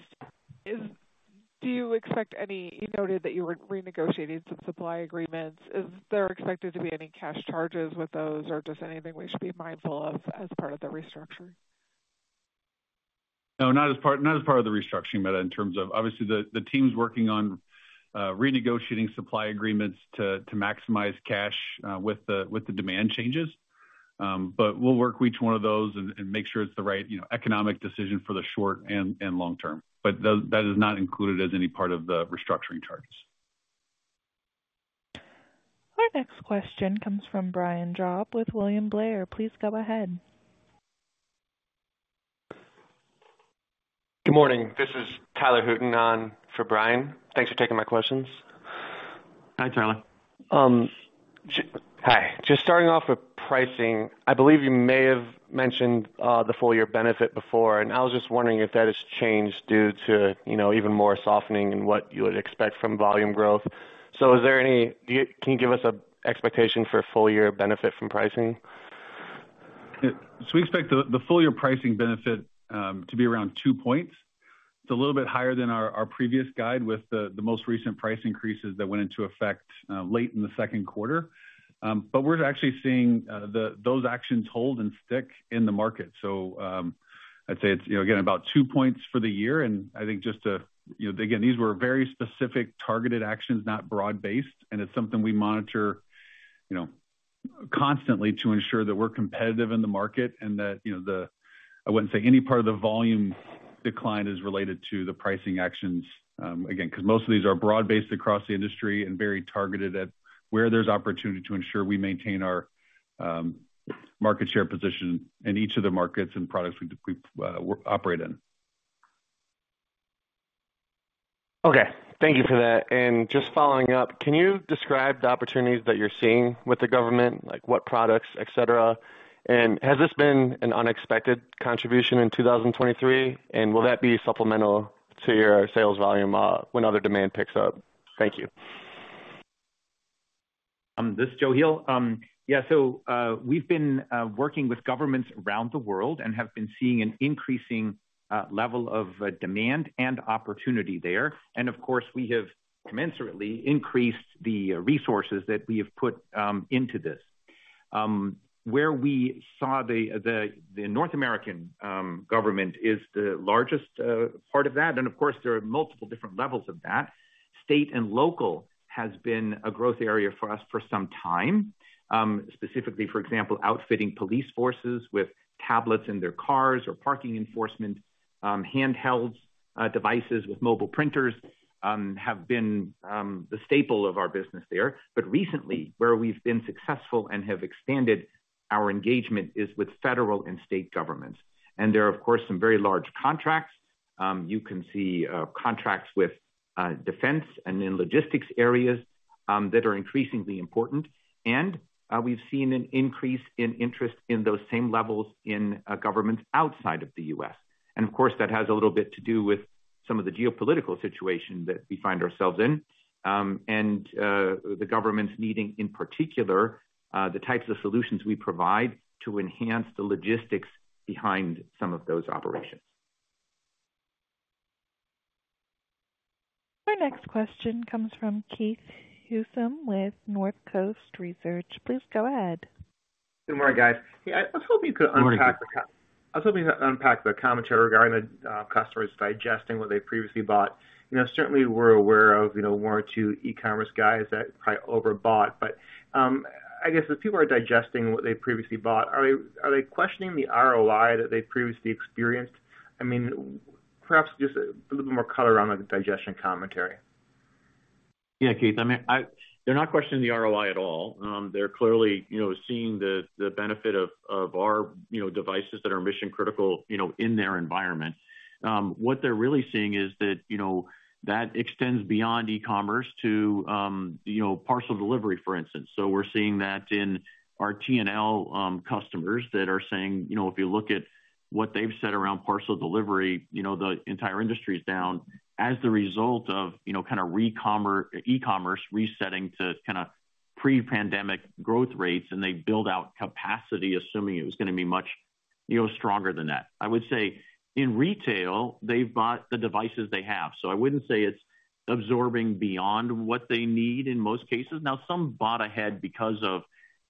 do you expect any, you noted that you were renegotiating some supply agreements. Is there expected to be any cash charges with those, or just anything we should be mindful of as part of the restructure? No, not as part, not as part of the restructuring, Meta, in terms of obviously the, the team's working on, renegotiating supply agreements to, to maximize cash, with the, with the demand changes. We'll work each one of those and, and make sure it's the right, you know, economic decision for the short and, and long term. That, that is not included as any part of the restructuring charges. Our next question comes from Brian Drab with William Blair. Please go ahead. Good morning. This is Tyler Hooton on for Brian. Thanks for taking my questions. Hi, Tyler. Hi. Just starting off with pricing, I believe you may have mentioned the full year benefit before. I was just wondering if that has changed due to, you know, even more softening and what you would expect from volume growth. Is there any... Do you, can you give us an expectation for full year benefit from pricing? We expect the full year pricing benefit to be around two points. It's a little bit higher than our previous guide, with the most recent price increases that went into effect late in the second quarter. We're actually seeing those actions hold and stick in the market. I'd say it's, you know, again, about two points for the year. I think just to, you know, again, these were very specific, targeted actions, not broad-based, and it's something we monitor, you know, constantly to ensure that we're competitive in the market and that, you know, I wouldn't say any part of the volume decline is related to the pricing actions, again, because most of these are broad-based across the industry and very targeted at where there's opportunity to ensure we maintain our market share position in each of the markets and products we, we operate in. Okay, thank you for that. Just following up, can you describe the opportunities that you're seeing with the government, like what products, et cetera? Has this been an unexpected contribution in 2023? Will that be supplemental to your sales volume when other demand picks up? Thank you. This is Joe Heel. Yeah, we've been working with governments around the world and have been seeing an increasing level of demand and opportunity there. Of course, we have commensurately increased the resources that we have put into this. Where we saw the North American government is the largest part of that, and of course, there are multiple different levels of that. State and local has been a growth area for us for some time, specifically, for example, outfitting police forces with tablets in their cars or parking enforcement, handheld devices with mobile printers have been the staple of our business there. Recently, where we've been successful and have expanded our engagement is with federal and state governments. There are, of course, some very large contracts. You can see contracts with defense and in logistics areas that are increasingly important. We've seen an increase in interest in those same levels in governments outside of the U.S. Of course, that has a little bit to do with some of the geopolitical situation that we find ourselves in, and the governments needing, in particular, the types of solutions we provide to enhance the logistics behind some of those operations. Our next question comes from Keith Housum, with Northcoast Research. Please go ahead. Good morning, guys. Hey, I was hoping you could unpack the- Good morning, Keith. I was hoping you could unpack the commentary regarding the customers digesting what they previously bought. You know, certainly we're aware of, you know, one or two e-commerce guys that probably overbought, but I guess if people are digesting what they previously bought, are they, are they questioning the ROI that they previously experienced? I mean, perhaps just a little bit more color around the digestion commentary. Yeah, Keith, I mean, They're not questioning the ROI at all. They're clearly, you know, seeing the, the benefit of, of our, you know, devices that are mission-critical, you know, in their environment. What they're really seeing is that, you know, that extends beyond e-commerce to, you know, parcel delivery, for instance. We're seeing that in our T&L customers that are saying, you know, if you look at what they've said around parcel delivery, you know, the entire industry is down as the result of, you know, kind of e-commerce resetting to kind of pre-pandemic growth rates, and they build out capacity, assuming it was going to be much, you know, stronger than that. I would say in retail, they've bought the devices they have, so I wouldn't say it's absorbing beyond what they need in most cases. Now, some bought ahead because of,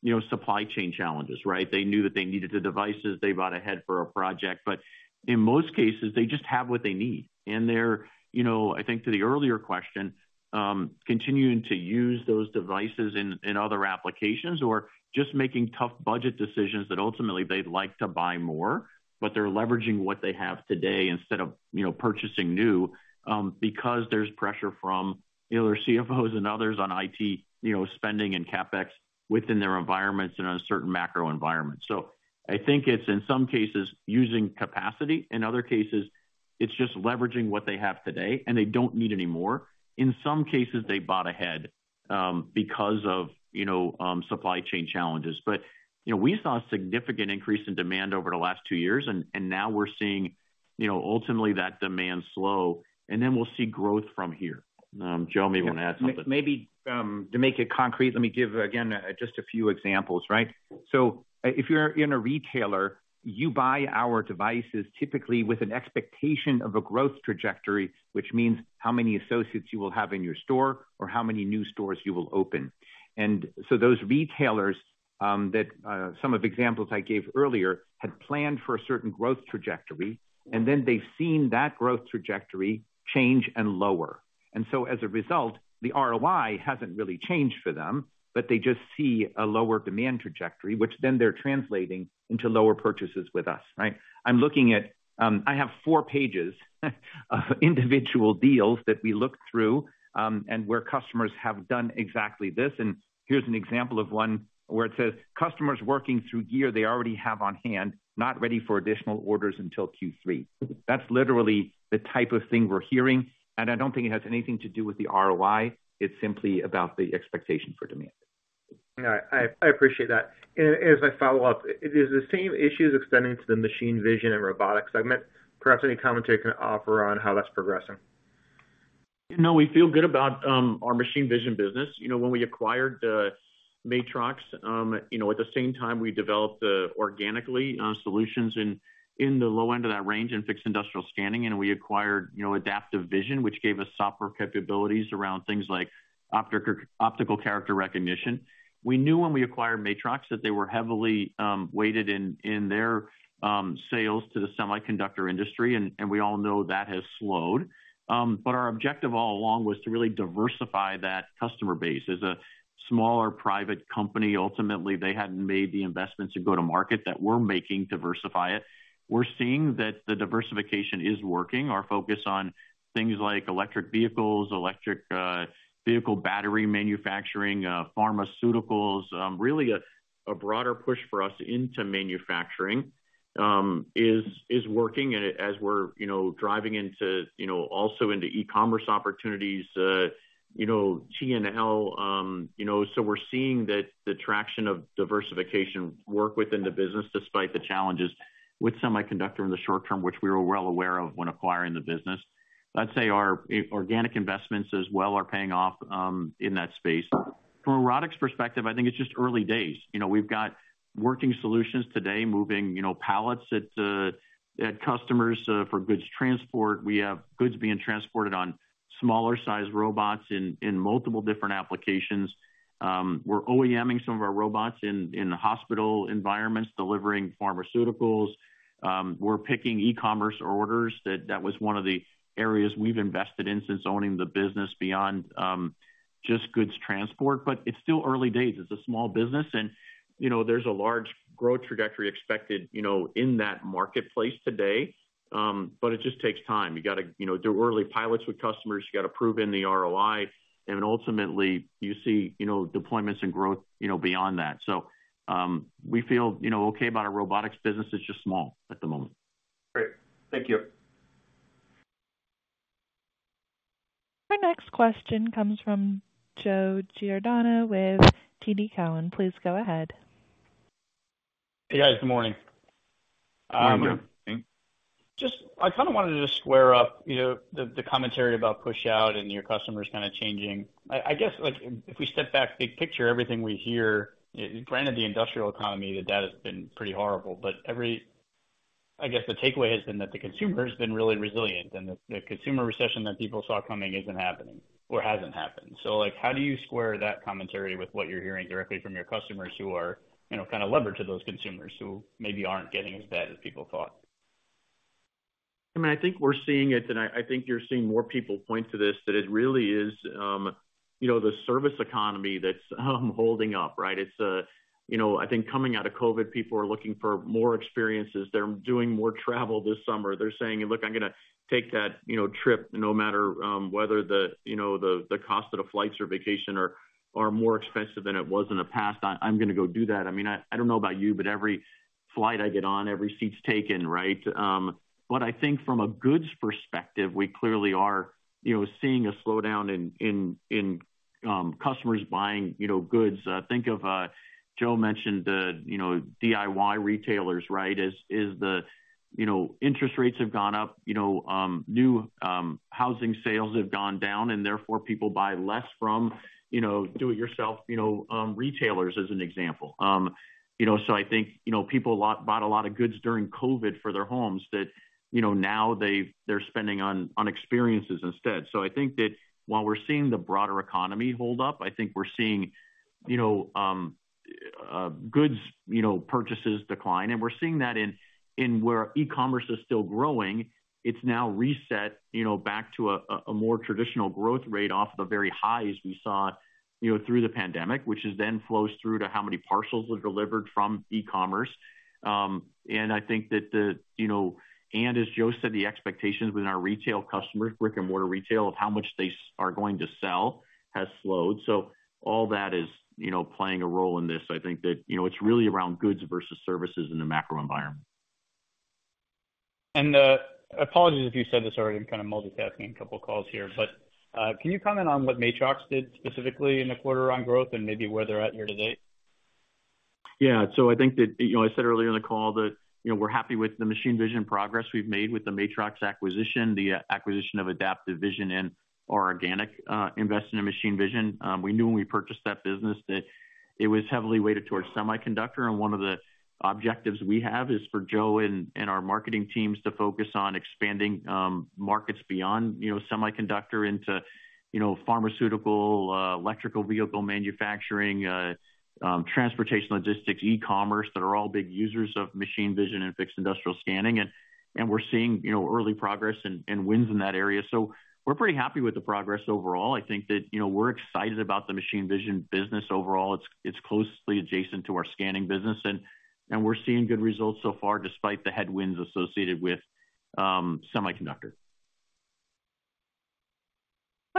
you know, supply chain challenges, right? They knew that they needed the devices, they bought ahead for a project, but in most cases, they just have what they need. They're, you know, I think to the earlier question, continuing to use those devices in, in other applications or just making tough budget decisions that ultimately they'd like to buy more, but they're leveraging what they have today instead of, you know, purchasing new, because there's pressure from either CFOs and others on IT, you know, spending and CapEx within their environments and uncertain macro environment. I think it's in some cases, using capacity. In other cases, it's just leveraging what they have today, and they don't need any more. In some cases, they bought ahead, because of, you know, supply chain challenges. You know, we saw a significant increase in demand over the last two years, and, and now we're seeing, you know, ultimately that demand slow, and then we'll see growth from here. Joe, maybe you want to add something. Maybe, to make it concrete, let me give, again, just a few examples, right? If you're in a retailer, you buy our devices, typically with an expectation of a growth trajectory, which means how many associates you will have in your store or how many new stores you will open. Those retailers, that, some of the examples I gave earlier, had planned for a certain growth trajectory, and then they've seen that growth trajectory change and lower. As a result, the ROI hasn't really changed for them, but they just see a lower demand trajectory, which then they're translating into lower purchases with us, right? I'm looking at, I have four pages, of individual deals that we looked through, and where customers have done exactly this. Here's an example of one where it says, "Customers working through gear they already have on hand, not ready for additional orders until Q3." That's literally the type of thing we're hearing, and I don't think it has anything to do with the ROI. It's simply about the expectation for demand. All right. I, I appreciate that. As I follow up, is the same issue extending to the machine vision and robotics segment? Perhaps any commentary you can offer on how that's progressing. We feel good about our machine vision business. You know, when we acquired the Matrox, you know, at the same time, we developed organically solutions in the low end of that range in fixed industrial scanning, and we acquired, you know, Adaptive Vision, which gave us software capabilities around things like optical character recognition. We knew when we acquired Matrox, that they were heavily weighted in their sales to the semiconductor industry, and we all know that has slowed. Our objective all along was to really diversify that customer base. As a smaller private company, ultimately, they hadn't made the investments to go to market that we're making diversify it. We're seeing that the diversification is working. Our focus on things like electric vehicles, electric, vehicle battery manufacturing, pharmaceuticals, really a, a broader push for us into manufacturing, is, is working. As we're, you know, driving into, you know, also into e-commerce opportunities, you know, T&L, you know, we're seeing that the traction of diversification work within the business, despite the challenges with semiconductor in the short term, which we were well aware of when acquiring the business. I'd say our organic investments as well are paying off, in that space. From a robotics perspective, I think it's just early days. You know, we've got working solutions today, moving, you know, pallets at, at customers, for goods transport. We have goods being transported on smaller-sized robots in, in multiple different applications. We're OEM-ing some of our robots in, in hospital environments, delivering pharmaceuticals. We're picking e-commerce orders. That was one of the areas we've invested in since owning the business beyond just goods transport. It's still early days. It's a small business, and, you know, there's a large growth trajectory expected, you know, in that marketplace today, but it just takes time. You got to, you know, do early pilots with customers. You got to prove in the ROI, and ultimately you see, you know, deployments and growth, you know, beyond that. We feel, you know, okay about our robotics business. It's just small at the moment. Great. Thank you. Our next question comes from Joe Giordano with TD Cowen. Please go ahead. Hey, guys. Good morning. Good morning. I kind of wanted to just square up, you know, the, the commentary about push out and your customers kind of changing. I, I guess, like, if we step back, big picture, everything we hear, granted the industrial economy, the data has been pretty horrible. I guess the takeaway has been that the consumer has been really resilient, and the, the consumer recession that people saw coming isn't happening or hasn't happened. Like, how do you square that commentary with what you're hearing directly from your customers who are, you know, kind of lever to those consumers, who maybe aren't getting as bad as people thought? I mean, I think we're seeing it, and I, I think you're seeing more people point to this, that it really is, you know, the service economy that's holding up, right? It's, you know, I think coming out of COVID, people are looking for more experiences. They're doing more travel this summer. They're saying: "Look, I'm going to take that, you know, trip, no matter whether the, you know, the, the cost of the flights or vacation are, are more expensive than it was in the past. I, I'm going to go do that." I mean, I, I don't know about you, but every flight I get on, every seat's taken, right? I think from a goods perspective, we clearly are, you know, seeing a slowdown in, in, in, customers buying, you know, goods. Think of, Joe mentioned the, you know, DIY retailers, right? As, as the, you know, interest rates have gone up, you know, new housing sales have gone down, and therefore, people buy less from, you know, do-it-yourself, you know, retailers, as an example. You know, I think, you know, people a lot-- bought a lot of goods during COVID for their homes that, you know, now they've-- they're spending on, on experiences instead. I think that while we're seeing the broader economy hold up, I think we're seeing, you know, goods, you know, purchases decline, and we're seeing that in, in where e-commerce is still growing. It's now reset, you know, back to a, a, a more traditional growth rate off the very highs we saw, you know, through the pandemic, which is then flows through to how many parcels were delivered from e-commerce. I think that the, you know, as Joe said, the expectations within our retail customers, brick-and-mortar retail, of how much they are going to sell, has slowed. All that is, you know, playing a role in this. I think that, you know, it's really around goods versus services in the macro environment. Apologies if you said this already. I'm kind of multitasking a couple calls here, can you comment on what Matrox did specifically in the quarter on growth and maybe where they're at year to date? Yeah. I think that, you know, I said earlier in the call that, you know, we're happy with the machine vision progress we've made with the Matrox acquisition, the acquisition of Adaptive Vision and our organic investment in machine vision. We knew when we purchased that business that it was heavily weighted towards semiconductor, one of the objectives we have is for Joe and our marketing teams to focus on expanding markets beyond, you know, semiconductor into, you know, pharmaceutical, electrical vehicle manufacturing, transportation, logistics, e-commerce, that are all big users of machine vision and fixed industrial scanning. We're seeing, you know, early progress and wins in that area. We're pretty happy with the progress overall. I think that, you know, we're excited about the machine vision business overall. It's, it's closely adjacent to our scanning business, and, and we're seeing good results so far, despite the headwinds associated with semiconductor.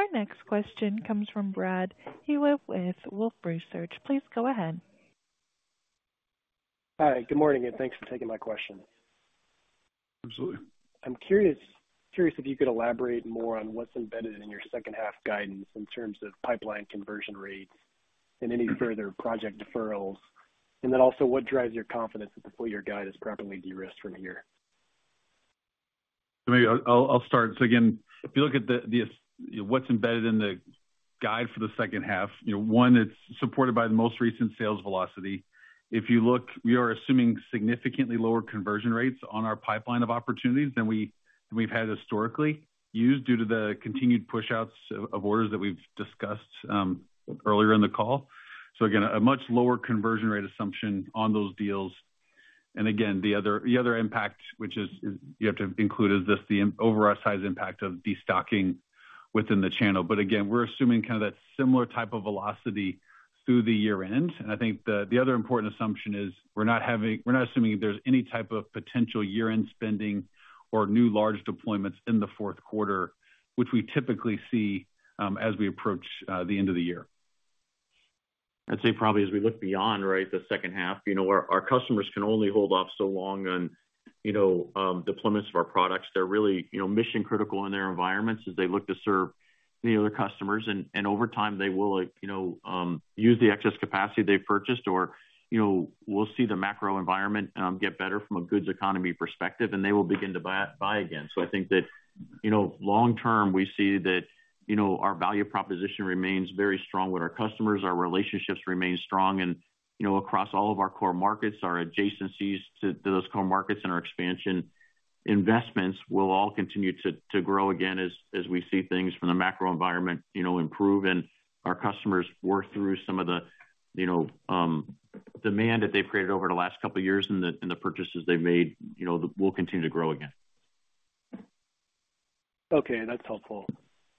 Our next question comes from Brad Hewitt with Wolfe Research. Please go ahead. Hi, good morning, thanks for taking my question. Absolutely. I'm curious, curious if you could elaborate more on what's embedded in your second half guidance in terms of pipeline conversion rates and any further project deferrals, and then also what drives your confidence that the full year guide is properly de-risked from here? Maybe I'll start. Again, if you look at the, you know, what's embedded in the guide for the second half, you know, one, it's supported by the most recent sales velocity. If you look, we are assuming significantly lower conversion rates on our pipeline of opportunities than we've had historically used due to the continued pushouts of orders that we've discussed earlier in the call. Again, a much lower conversion rate assumption on those deals. Again, the other impact, which is you have to include, is this the over our size impact of destocking within the channel. Again, we're assuming kind of that similar type of velocity through the year end. I think the, the other important assumption is, we're not assuming there's any type of potential year-end spending or new large deployments in the fourth quarter, which we typically see, as we approach the end of the year. I'd say probably as we look beyond, right, the second half, you know, our customers can only hold off so long on, you know, deployments of our products. They're really, you know, mission-critical in their environments as they look to serve the other customers, and over time, they will, you know, use the excess capacity they've purchased or, you know, we'll see the macro environment get better from a goods economy perspective, and they will begin to buy, buy again. I think that. You know, long term, we see that, you know, our value proposition remains very strong with our customers. Our relationships remain strong and, you know, across all of our core markets, our adjacencies to, to those core markets and our expansion investments will all continue to, to grow again as, as we see things from the macro environment, you know, improve and our customers work through some of the, you know, demand that they've created over the last couple of years and the, and the purchases they've made, you know, will continue to grow again. Okay, that's helpful.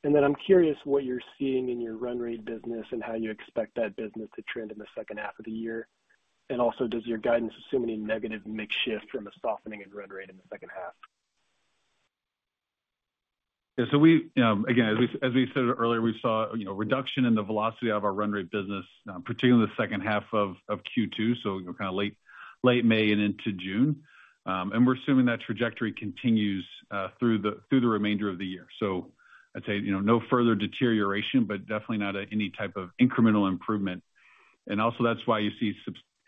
I'm curious what you're seeing in your run rate business and how you expect that business to trend in the second half of the year. Also, does your guidance assume any negative mix shift from a softening in run rate in the second half? Yeah, as we, as we said earlier, we saw, you know, reduction in the velocity of our run rate business, particularly in the second half of Q2, so, you know, kind of late, late May and into June. We're assuming that trajectory continues through the remainder of the year. I'd say, you know, no further deterioration, but definitely not any type of incremental improvement. Also that's why you see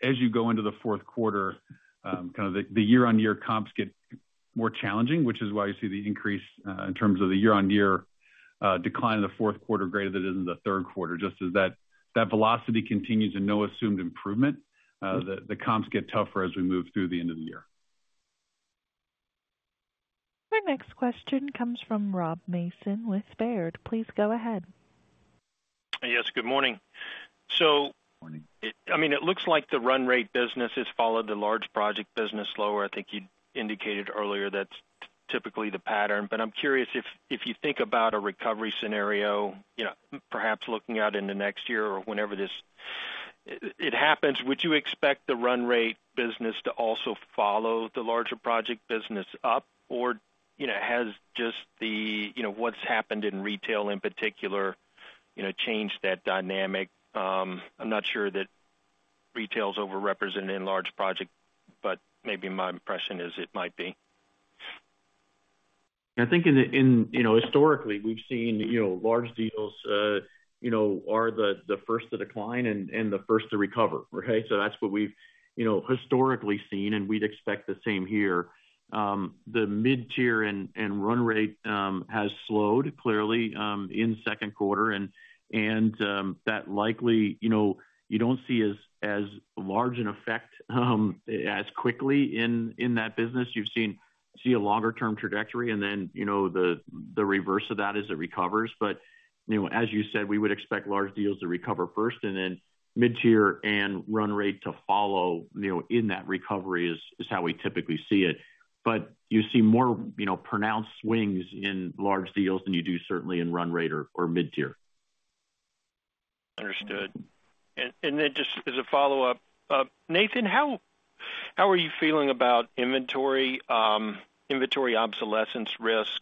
as you go into the fourth quarter, kind of the year-on-year comps get more challenging, which is why you see the increase in terms of the year-on-year decline in the fourth quarter greater than it is in the third quarter. Just as that, that velocity continues and no assumed improvement, the, the comps get tougher as we move through the end of the year. Our next question comes from Rob Mason with Baird. Please go ahead. Yes, good morning. Good morning. I mean, it looks like the run rate business has followed the large project business lower. I think you indicated earlier that's typically the pattern. I'm curious if, if you think about a recovery scenario, you know, perhaps looking out in the next year or whenever this happens, would you expect the run rate business to also follow the larger project business up? You know, has just the, you know, what's happened in retail in particular, you know, changed that dynamic? I'm not sure that retail is overrepresented in large project, but maybe my impression is it might be. I think in the. You know, historically, we've seen, you know, large deals, you know, are the, the first to decline and, and the first to recover, right? That's what we've, you know, historically seen, and we'd expect the same here. The mid-tier and, and run rate has slowed, clearly, in second quarter, and, and that likely, you know, you don't see as, as large in effect, as quickly in, in that business. See a longer term trajectory and then, you know, the, the reverse of that as it recovers. You know, as you said, we would expect large deals to recover first and then mid-tier and run rate to follow, you know, in that recovery is, is how we typically see it. You see more, you know, pronounced swings in large deals than you do certainly in run rate or, or mid-tier. Understood. Then just as a follow-up, Nathan, how, how are you feeling about inventory, inventory obsolescence risk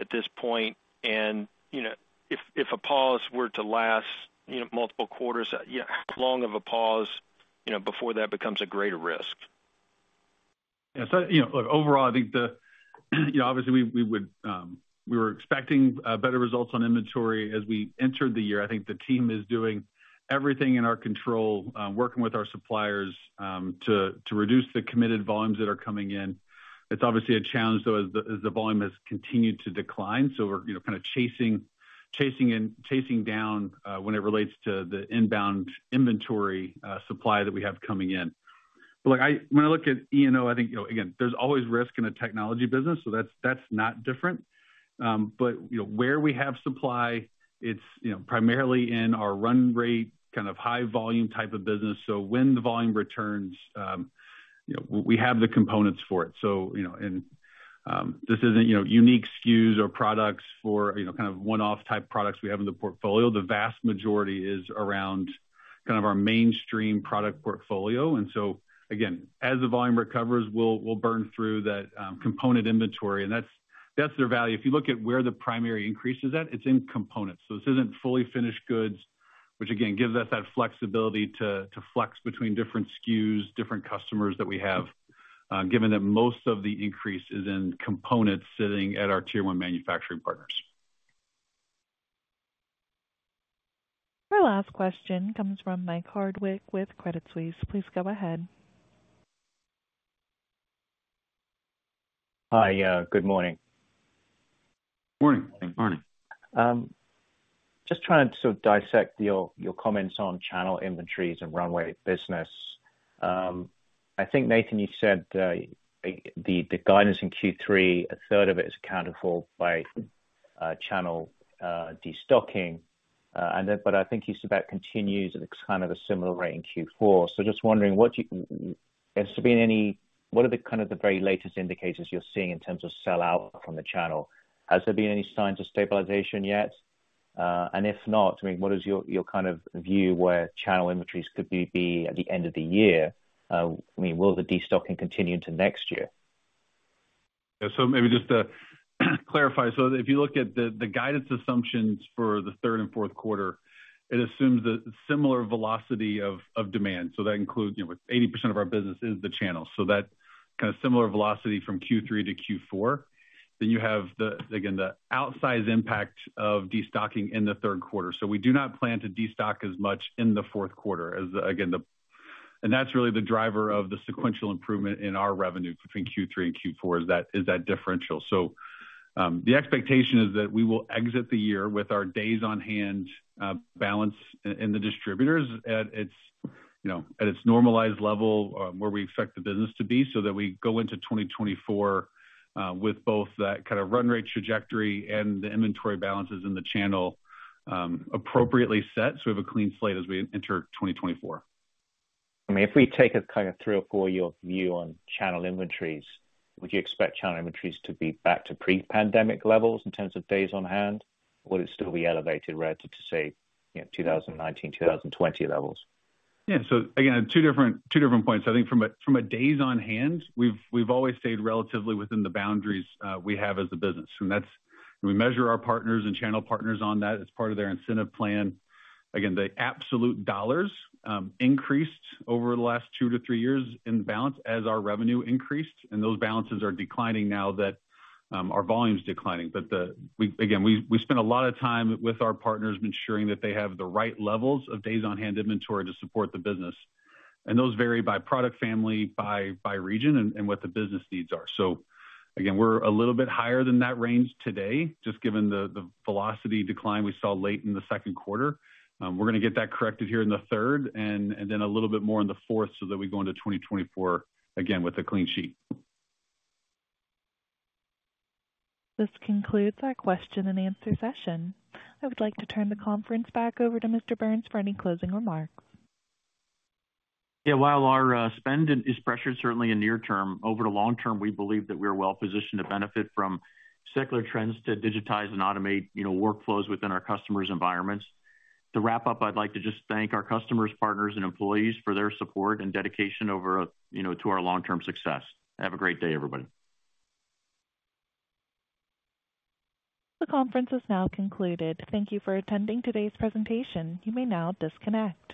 at this point? You know, if, if a pause were to last, you know, multiple quarters, you know, how long of a pause, you know, before that becomes a greater risk? Yeah, you know, look, overall, I think the, you know, obviously, we, we would. We were expecting better results on inventory as we entered the year. I think the team is doing everything in our control, working with our suppliers, to reduce the committed volumes that are coming in. It's obviously a challenge, though, as the volume has continued to decline. We're, you know, kind of chasing down when it relates to the inbound inventory supply that we have coming in. Look, I, when I look at E&O, I think, you know, again, there's always risk in a technology business. That's, that's not different. Where we have supply, it's, you know, primarily in our run rate, kind of high volume type of business. When the volume returns, you know, w- we have the components for it. You know, this isn't, you know, unique SKUs or products for, you know, kind of one-off type products we have in the portfolio. The vast majority is around kind of our mainstream product portfolio. Again, as the volume recovers, we'll, we'll burn through that component inventory, and that's, that's their value. If you look at where the primary increase is at, it's in components. This isn't fully finished goods, which again, gives us that flexibility to, to flex between different SKUs, different customers that we have, given that most of the increase is in components sitting at our tier one manufacturing partners. Our last question comes from Guy Hardwick with Credit Suisse. Please go ahead. Hi, good morning. Morning. Morning. Just trying to sort of dissect your, your comments on channel inventories and runway business. I think, Nathan, you said, the guidance in Q3, 1/3 of it is accounted for by channel destocking. But I think you said that continues at kind of a similar rate in Q4. Just wondering what are the kind of the very latest indicators you're seeing in terms of sellout from the channel? Has there been any signs of stabilization yet? If not, I mean, what is your, your kind of view where channel inventories could be at the end of the year? I mean, will the destocking continue into next year? Yeah, maybe just to clarify. If you look at the, the guidance assumptions for the third and fourth quarter, it assumes a similar velocity of, of demand. That includes, you know, 80% of our business is the channel. That kind of similar velocity from Q3 to Q4. You have the, again, the outsized impact of destocking in the third quarter. We do not plan to destock as much in the fourth quarter as, again, the... That's really the driver of the sequential improvement in our revenue between Q3 and Q4, is that, is that differential. The expectation is that we will exit the year with our days on hand balance in, in the distributors at its, you know, at its normalized level where we expect the business to be, so that we go into 2024 with both that kind of run rate trajectory and the inventory balances in the channel appropriately set, so we have a clean slate as we enter 2024. I mean, if we take a kind of three or four-year view on channel inventories, would you expect channel inventories to be back to pre-pandemic levels in terms of days on hand? Or would it still be elevated relative to, say, you know, 2019, 2020 levels? Yeah. Again, two different, two different points. I think from a, from a days on hand, we've, we've always stayed relatively within the boundaries we have as a business. That's, we measure our partners and channel partners on that. It's part of their incentive plan. Again, the absolute dollars increased over the last two to three years in balance as our revenue increased, and those balances are declining now that our volume's declining. The, we again, we, we spent a lot of time with our partners ensuring that they have the right levels of days on hand inventory to support the business. Those vary by product family, by, by region, and, and what the business needs are. Again, we're a little bit higher than that range today, just given the, the velocity decline we saw late in the second quarter. We're gonna get that corrected here in the third and then a little bit more in the fourth, so that we go into 2024 again with a clean sheet. This concludes our question and answer session. I would like to turn the conference back over to Mr. Burns for any closing remarks. Yeah, while our spend is pressured, certainly in near term, over the long term, we believe that we are well positioned to benefit from secular trends to digitize and automate, you know, workflows within our customers' environments. To wrap up, I'd like to just thank our customers, partners, and employees for their support and dedication over, you know, to our long-term success. Have a great day, everybody. The conference is now concluded. Thank you for attending today's presentation. You may now disconnect.